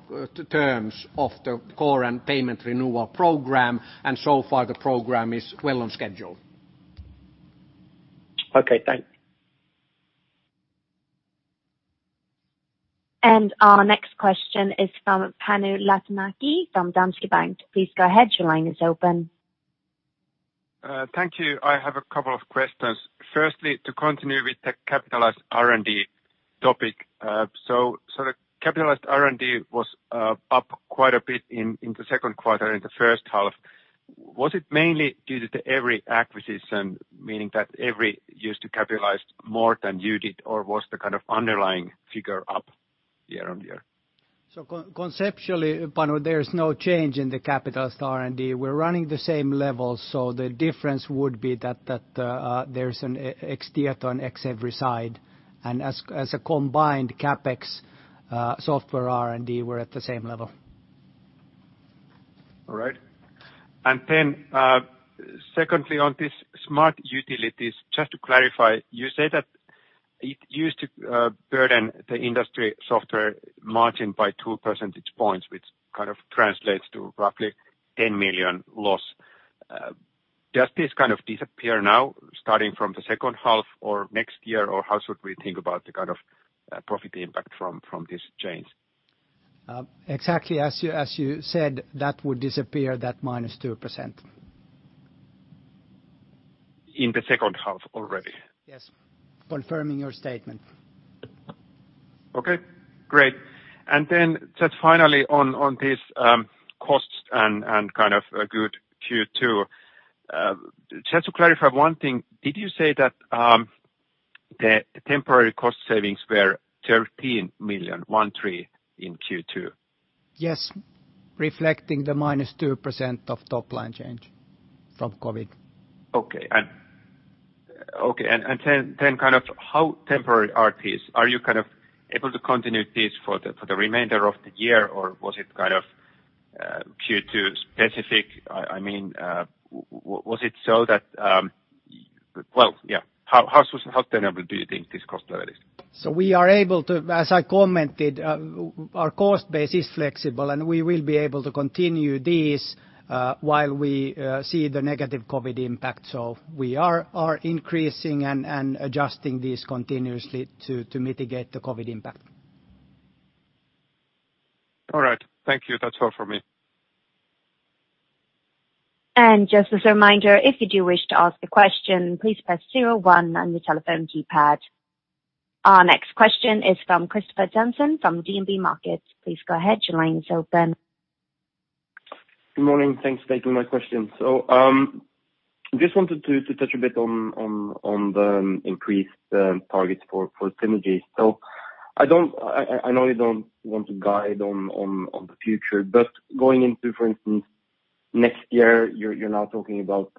terms of the core and payment renewal program, and so far, the program is well on schedule. Okay. Thanks. Our next question is from Panu Laitinmäki from Danske Bank. Please go ahead. Your line is open. Thank you. I have a couple of questions. Firstly, to continue with the capitalized R&D topic, the capitalized R&D was up quite a bit in the second quarter and the first half. Was it mainly due to the EVRY acquisition, meaning that EVRY used to capitalize more than you did, or was the kind of underlying figure up year-on-year? Conceptually, Panu, there is no change in the capitalized R&D. We're running the same level, so the difference would be that there's an ex-Tieto and ex-EVRY side. As a combined CapEx software R&D, we're at the same level. All right. Secondly, on these smart utilities, just to clarify, you said that it used to burden the industry software margin by 2 percentage points, which kind of translates to roughly 10 million loss. Does this kind of disappear now, starting from the second half or next year, or how should we think about the kind of profit impact from this change? Exactly. As you said, that would disappear, that -2%. In the second half already? Yes. Confirming your statement. Okay. Great. And then just finally on these costs and kind of good Q2, just to clarify one thing, did you say that the temporary cost savings were 13 million, 13 in Q2? Yes. Reflecting the -2% of top line change from COVID. Okay. And then kind of how temporary are these? Are you kind of able to continue these for the remainder of the year, or was it kind of Q2 specific? I mean, was it so that—yeah. How tenable do you think this cost level is? We are able to, as I commented, our cost base is flexible, and we will be able to continue these while we see the negative COVID impact. We are increasing and adjusting these continuously to mitigate the COVID impact. All right. Thank you. That's all from me. Just as a reminder, if you do wish to ask a question, please press zero one on your telephone keypad. Our next question is from Christopher Johnson from DNB Markets. Please go ahead. Your line is open. Good morning. Thanks for taking my question. I just wanted to touch a bit on the increased targets for synergy. I know you do not want to guide on the future, but going into, for instance, next year, you are now talking about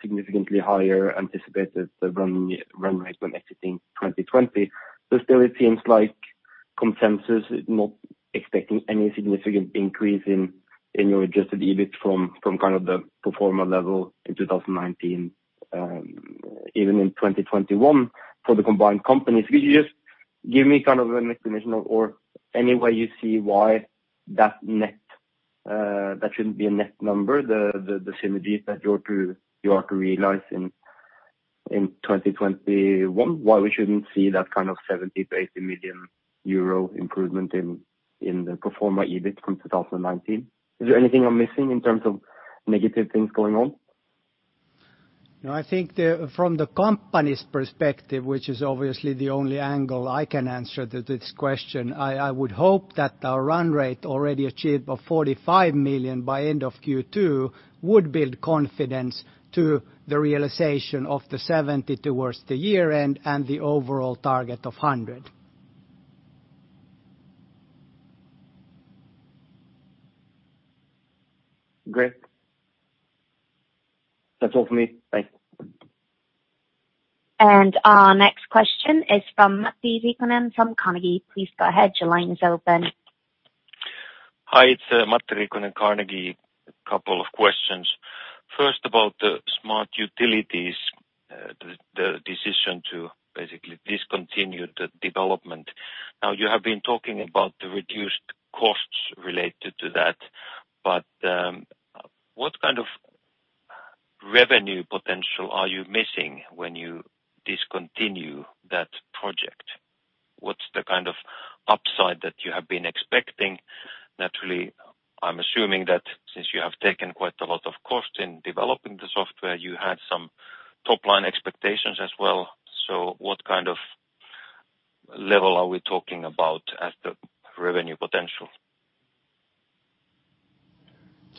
significantly higher anticipated run rates when exiting 2020. Still, it seems like consensus is not expecting any significant increase in your adjusted EBIT from kind of the pro forma level in 2019, even in 2021 for the combined companies. Could you just give me kind of an explanation or any way you see why that net—that should not be a net number, the synergy that you are to realize in 2021, why we should not see that kind of 70 million-80 million euro improvement in the pro forma EBIT from 2019? Is there anything I am missing in terms of negative things going on? No, I think from the company's perspective, which is obviously the only angle I can answer to this question, I would hope that our run rate already achieved of 45 million by end of Q2 would build confidence to the realization of the 70 million towards the year-end and the overall target of 100 million. Great. That is all from me. Thanks. Our next question is from Matti Riikonen from Carnegie. Please go ahead. Your line is open. Hi. It is Matti Riikonen, Carnegie. A couple of questions. First, about the smart utilities, the decision to basically discontinue the development. Now, you have been talking about the reduced costs related to that, but what kind of revenue potential are you missing when you discontinue that project? What's the kind of upside that you have been expecting? Naturally, I'm assuming that since you have taken quite a lot of cost in developing the software, you had some top-line expectations as well. What kind of level are we talking about as the revenue potential?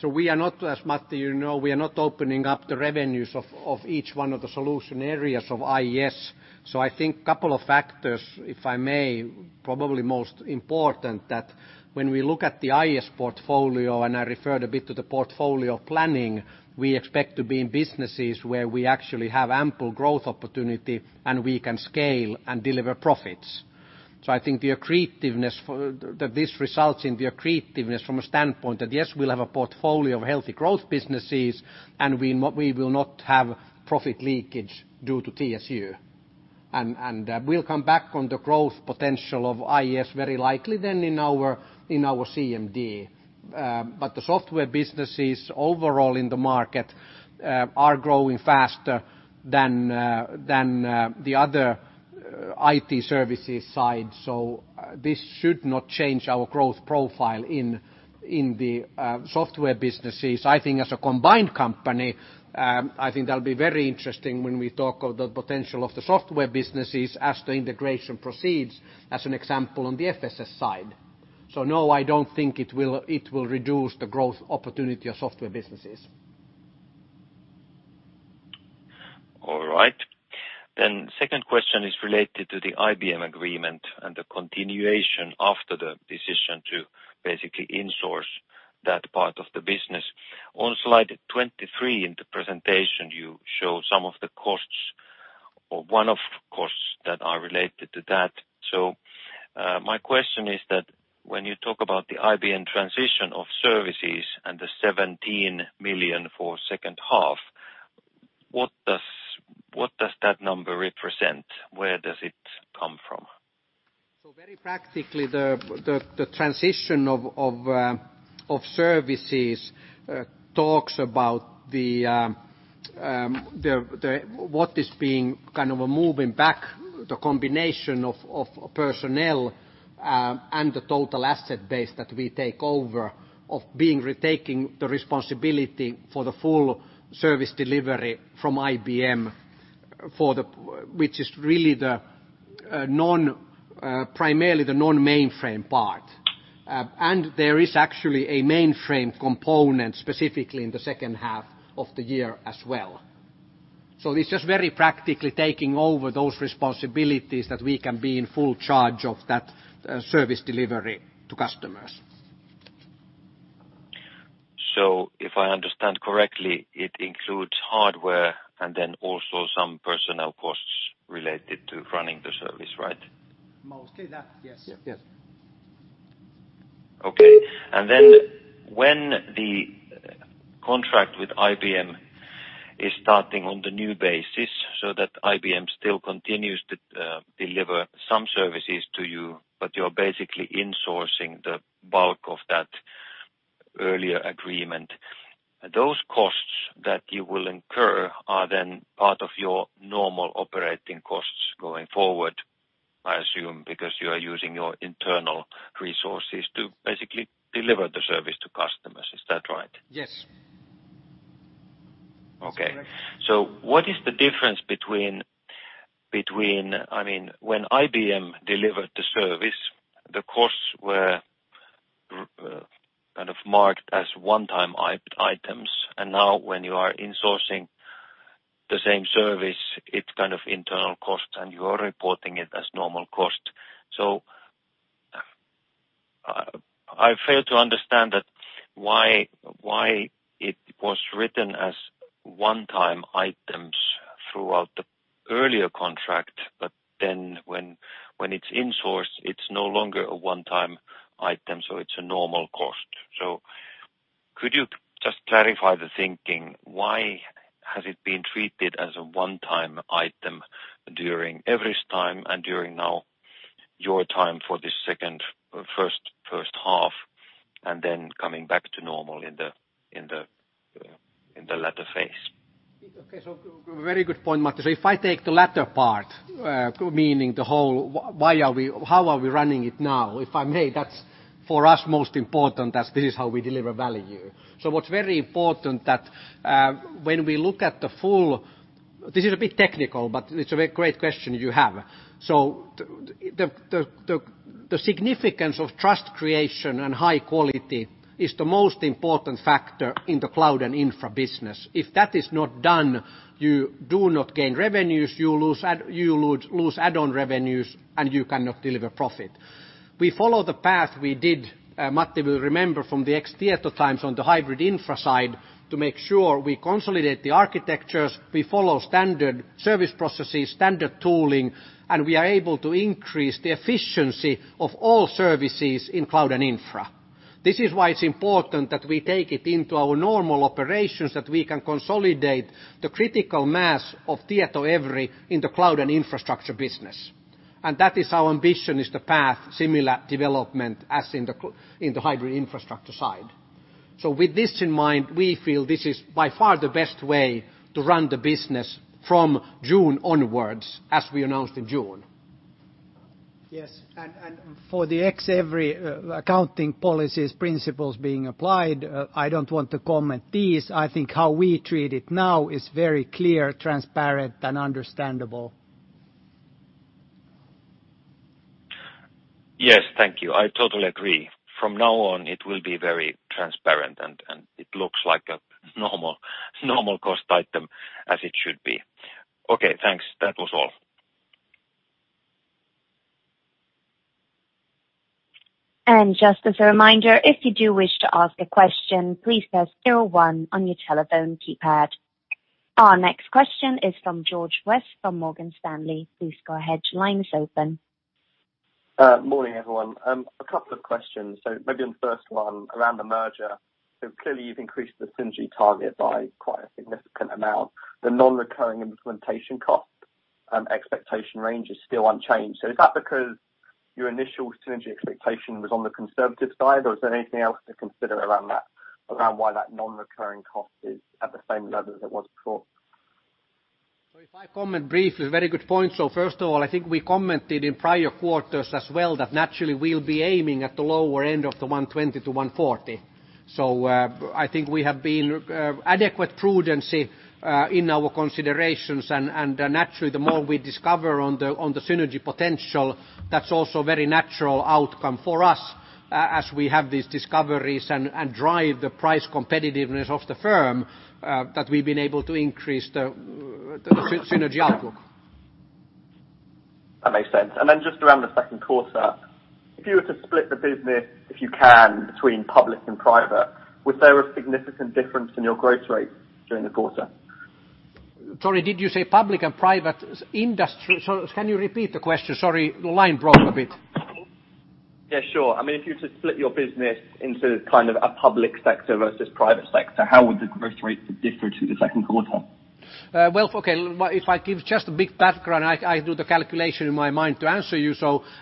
We are not, as Matti, you know, we are not opening up the revenues of each one of the solution areas of IS. I think a couple of factors, if I may, probably most important, that when we look at the IS portfolio, and I referred a bit to the portfolio planning, we expect to be in businesses where we actually have ample growth opportunity and we can scale and deliver profits. I think the accretiveness that this results in, the accretiveness from a standpoint that, yes, we'll have a portfolio of healthy growth businesses, and we will not have profit leakage due to TSU. We'll come back on the growth potential of IS very likely then in our CMD. The software businesses overall in the market are growing faster than the other IT services side. This should not change our growth profile in the software businesses. I think as a combined company, I think that'll be very interesting when we talk of the potential of the software businesses as the integration proceeds, as an example on the FSS side. No, I don't think it will reduce the growth opportunity of software businesses. All right. The second question is related to the IBM agreement and the continuation after the decision to basically insource that part of the business. On slide 23 in the presentation, you show some of the costs or one of the costs that are related to that. My question is that when you talk about the IBM transition of services and the 17 million for second half, what does that number represent? Where does it come from? Very practically, the transition of services talks about what is being kind of a moving back, the combination of personnel and the total asset base that we take over of being retaking the responsibility for the full service delivery from IBM, which is really primarily the non-mainframe part. There is actually a mainframe component specifically in the second half of the year as well. It is just very practically taking over those responsibilities that we can be in full charge of that service delivery to customers. If I understand correctly, it includes hardware and then also some personnel costs related to running the service, right? Mostly that, yes. Yes. Okay. When the contract with IBM is starting on the new basis, IBM still continues to deliver some services to you, but you are basically insourcing the bulk of that earlier agreement. Those costs that you will incur are then part of your normal operating costs going forward, I assume, because you are using your internal resources to basically deliver the service to customers. Is that right? Yes. That's correct. Okay. What is the difference between, I mean, when IBM delivered the service, the costs were kind of marked as one-time items, and now when you are insourcing the same service, it's kind of internal cost, and you are reporting it as normal cost. I fail to understand why it was written as one-time items throughout the earlier contract, but then when it's insourced, it's no longer a one-time item, so it's a normal cost. Could you just clarify the thinking? Why has it been treated as a one-time item during EVRY's time and during now your time for the first half and then coming back to normal in the latter phase? Okay. Very good point, Matti. If I take the latter part, meaning the whole, how are we running it now? If I may, that is for us most important as this is how we deliver value. What is very important is that when we look at the full—this is a bit technical, but it is a great question you have. The significance of trust creation and high quality is the most important factor in the cloud and infra business. If that is not done, you do not gain revenues, you would lose add-on revenues, and you cannot deliver profit. We follow the path we did, Matti will remember, from the ex-Tieto times on the hybrid infra side to make sure we consolidate the architectures, we follow standard service processes, standard tooling, and we are able to increase the efficiency of all services in cloud and infra. This is why it is important that we take it into our normal operations that we can consolidate the critical mass of Tietoevry in the cloud and infrastructure business. That is our ambition, is the path, similar development as in the hybrid infrastructure side. With this in mind, we feel this is by far the best way to run the business from June onwards, as we announced in June. Yes. For the ex-EVRY accounting policies, principles being applied, I do not want to comment these. I think how we treat it now is very clear, transparent, and understandable. Yes. Thank you. I totally agree. From now on, it will be very transparent, and it looks like a normal cost item as it should be. Okay. Thanks. That was all. Just as a reminder, if you do wish to ask a question, please press zero one on your telephone keypad. Our next question is from George West from Morgan Stanley. Please go ahead. Your line is open. Morning, everyone. A couple of questions. Maybe on the first one, around the merger. Clearly, you've increased the synergy target by quite a significant amount. The non-recurring implementation cost expectation range is still unchanged. Is that because your initial synergy expectation was on the conservative side, or is there anything else to consider around that, around why that non-recurring cost is at the same level as it was before? If I comment briefly, very good point. First of all, I think we commented in prior quarters as well that naturally we'll be aiming at the lower end of the 120 million-140 million. I think we have been adequate prudency in our considerations. Naturally, the more we discover on the synergy potential, that's also a very natural outcome for us as we have these discoveries and drive the price competitiveness of the firm that we've been able to increase the synergy outlook. That makes sense. Just around the second quarter, if you were to split the business, if you can, between public and private, was there a significant difference in your growth rate during the quarter? Sorry, did you say public and private industry? Can you repeat the question? Sorry, the line broke a bit. Yeah, sure. I mean, if you were to split your business into kind of a public sector versus private sector, how would the growth rate differ through the second quarter? Okay. If I give just a big background, I do the calculation in my mind to answer you.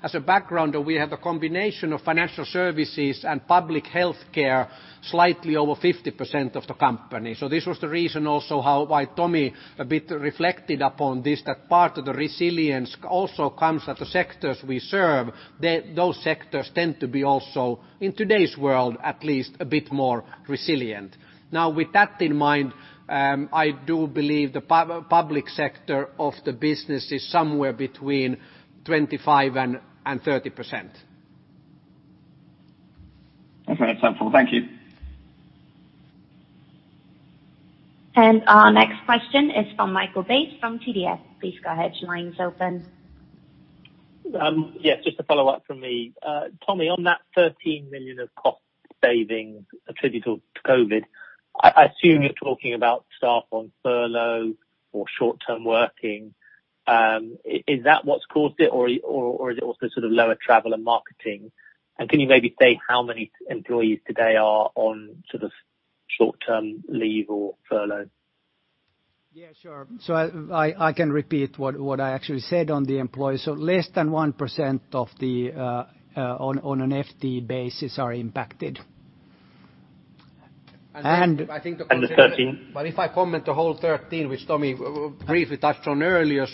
As a background, we have a combination of financial services and public healthcare, slightly over 50% of the company. This was the reason also why Tomi a bit reflected upon this, that part of the resilience also comes at the sectors we serve. Those sectors tend to be also, in today's world at least, a bit more resilient. Now, with that in mind, I do believe the public sector of the business is somewhere between 25%-30%. Okay. That's helpful. Thank you. Our next question is from Michael Bates from TDS. Please go ahead. Your line is open. Yes, just a follow-up from me. Tomi, on that 13 million of cost savings attributed to COVID-19, I assume you're talking about staff on furlough or short-term working. Is that what's caused it, or is it also sort of lower travel and marketing? Can you maybe say how many employees today are on sort of short-term leave or furlough? Yeah, sure. I can repeat what I actually said on the employees. Less than 1% of the, on an FTE basis, are impacted. I think the whole 13 million—if I comment on the whole EUR 13 million, which Tomi briefly touched on earlier.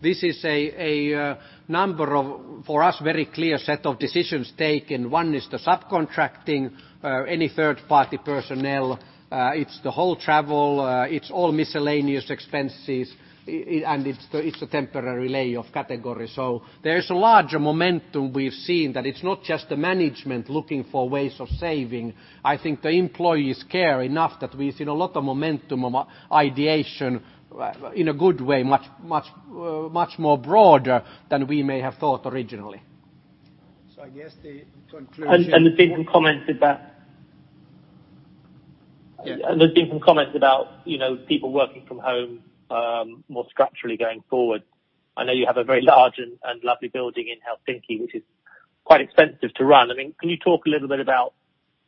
This is a number of, for us, very clear set of decisions taken. One is the subcontracting, any third-party personnel. It's the whole travel. It's all miscellaneous expenses, and it's a temporary layoff category. There is a larger momentum we have seen that it is not just the management looking for ways of saving. I think the employees care enough that we have seen a lot of momentum of ideation in a good way, much more broadly than we may have thought originally. I guess the conclusion— and there have been some comments about—there have been some comments about people working from home more structurally going forward. I know you have a very large and lovely building in Helsinki, which is quite expensive to run. I mean, can you talk a little bit about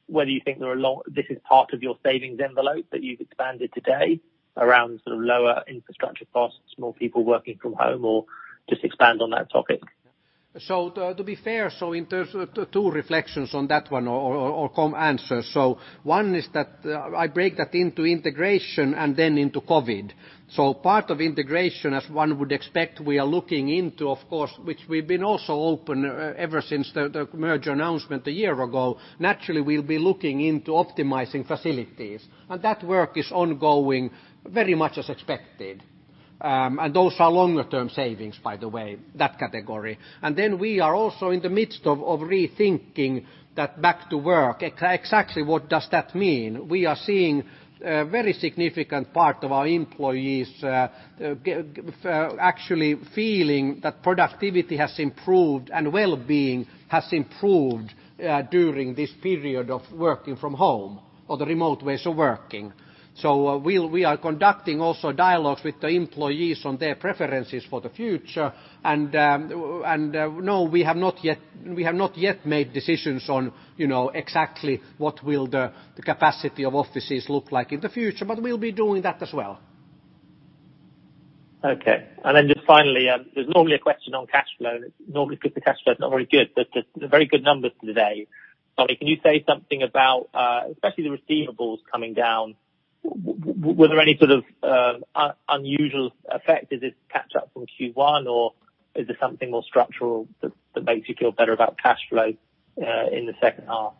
whether you think this is part of your savings envelope that you have expanded today around sort of lower infrastructure costs, more people working from home, or just expand on that topic? To be fair, in terms of two reflections on that one or answers. One is that I break that into integration and then into COVID. Part of integration, as one would expect, we are looking into, of course, which we've been also open ever since the merger announcement a year ago. Naturally, we'll be looking into optimizing facilities. That work is ongoing, very much as expected. Those are longer-term savings, by the way, that category. We are also in the midst of rethinking that back to work. Exactly what does that mean? We are seeing a very significant part of our employees actually feeling that productivity has improved and well-being has improved during this period of working from home or the remote ways of working. We are conducting also dialogues with the employees on their preferences for the future. No, we have not yet made decisions on exactly what will the capacity of offices look like in the future, but we will be doing that as well. Okay. Finally, there is normally a question on cash flow. Normally, if the cash flow is not very good, but very good numbers today. Tomi, can you say something about especially the receivables coming down? Were there any sort of unusual effects? Is this catch-up from Q1, or is there something more structural that makes you feel better about cash flow in the second half?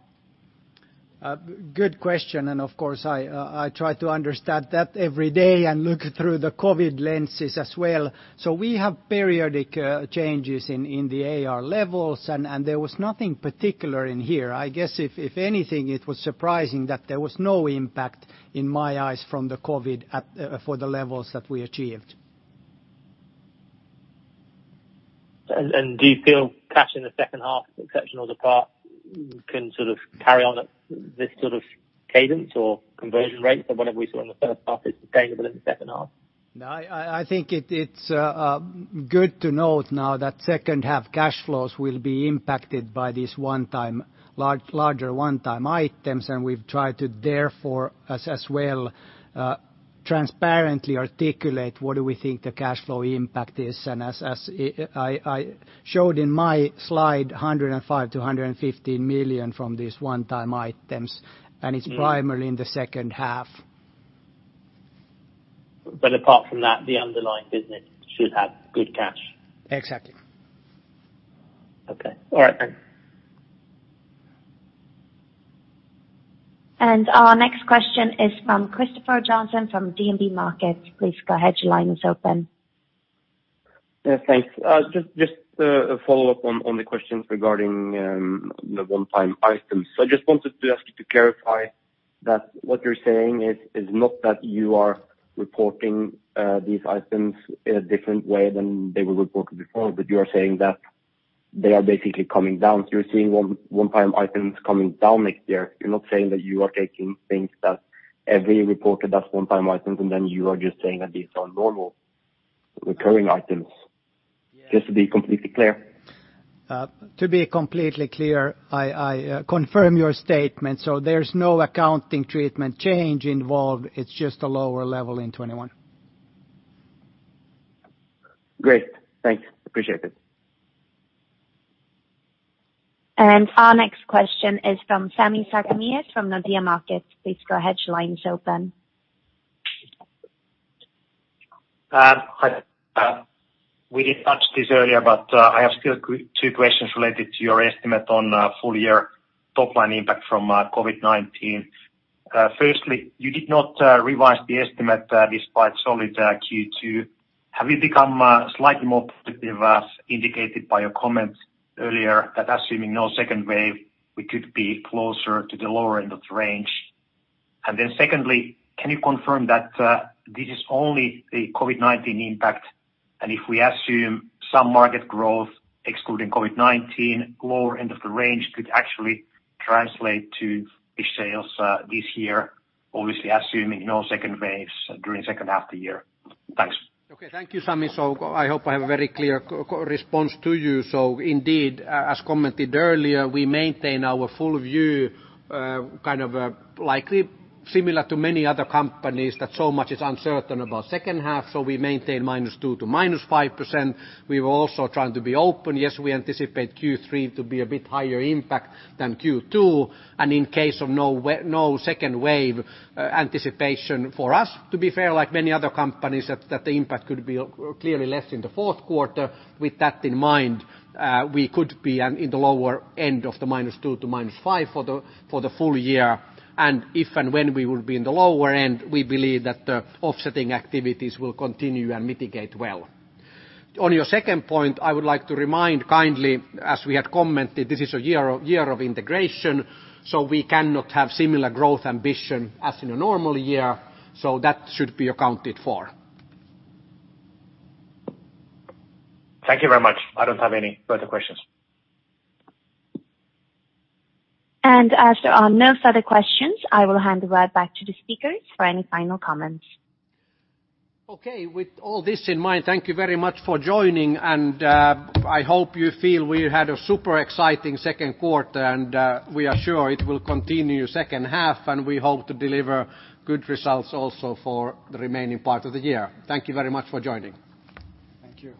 Good question. Of course, I try to understand that every day and look through the COVID lenses as well. We have periodic changes in the AR levels, and there was nothing particular in here. I guess if anything, it was surprising that there was no impact in my eyes from the COVID for the levels that we achieved. Do you feel cash in the second half, exceptional to part, can sort of carry on at this sort of cadence or conversion rates that whenever we saw in the first half is sustainable in the second half? No, I think it's good to note now that second-half cash flows will be impacted by these larger one-time items, and we've tried to therefore as well transparently articulate what do we think the cash flow impact is. As I showed in my slide, 105 million-115 million from these one-time items, and it's primarily in the second half. Apart from that, the underlying business should have good cash. Exactly. Okay. All right then. Our next question is from Christopher Johnson from DNB Markets. Please go ahead. Your line is open. Thanks. Just a follow-up on the questions regarding the one-time items. I just wanted to ask you to clarify that what you're saying is not that you are reporting these items in a different way than they were reported before, but you are saying that they are basically coming down. You are seeing one-time items coming down next year. You are not saying that you are taking things that EVRY reported as one-time items, and then you are just saying that these are normal recurring items. Just to be completely clear. To be completely clear, I confirm your statement. There is no accounting treatment change involved. It is just a lower level in 2021. Great. Thanks. Appreciate it. Our next question is from Sami Sarkamies from Nordea Markets. Please go ahead. Your line is open. Hi. We did not touch this earlier, but I have still two questions related to your estimate on full-year top-line impact from COVID-19. Firstly, you did not revise the estimate despite solid Q2. Have you become slightly more positive, as indicated by your comments earlier, that assuming no second wave, we could be closer to the lower end of the range? Secondly, can you confirm that this is only the COVID-19 impact? If we assume some market growth, excluding COVID-19, lower end of the range could actually translate to flat sales this year, obviously assuming no second waves during second half of the year. Thanks. Okay. Thank you, Sami. I hope I have a very clear response to you. Indeed, as commented earlier, we maintain our full view, kind of likely similar to many other companies that so much is uncertain about second half. We maintain -2% to -5%. We were also trying to be open. Yes, we anticipate Q3 to be a bit higher impact than Q2. In case of no second wave, anticipation for us, to be fair, like many other companies, is that the impact could be clearly less in the fourth quarter. With that in mind, we could be in the lower end of the -2% to -5% for the full year. If and when we will be in the lower end, we believe that the offsetting activities will continue and mitigate well. On your second point, I would like to remind kindly, as we had commented, this is a year of integration, so we cannot have similar growth ambition as in a normal year. That should be accounted for. Thank you very much. I do not have any further questions. As there are no further questions, I will hand the word back to the speakers for any final comments. Okay. With all this in mind, thank you very much for joining. I hope you feel we had a super exciting second quarter, and we are sure it will continue second half, and we hope to deliver good results also for the remaining part of the year. Thank you very much for joining. Thank you.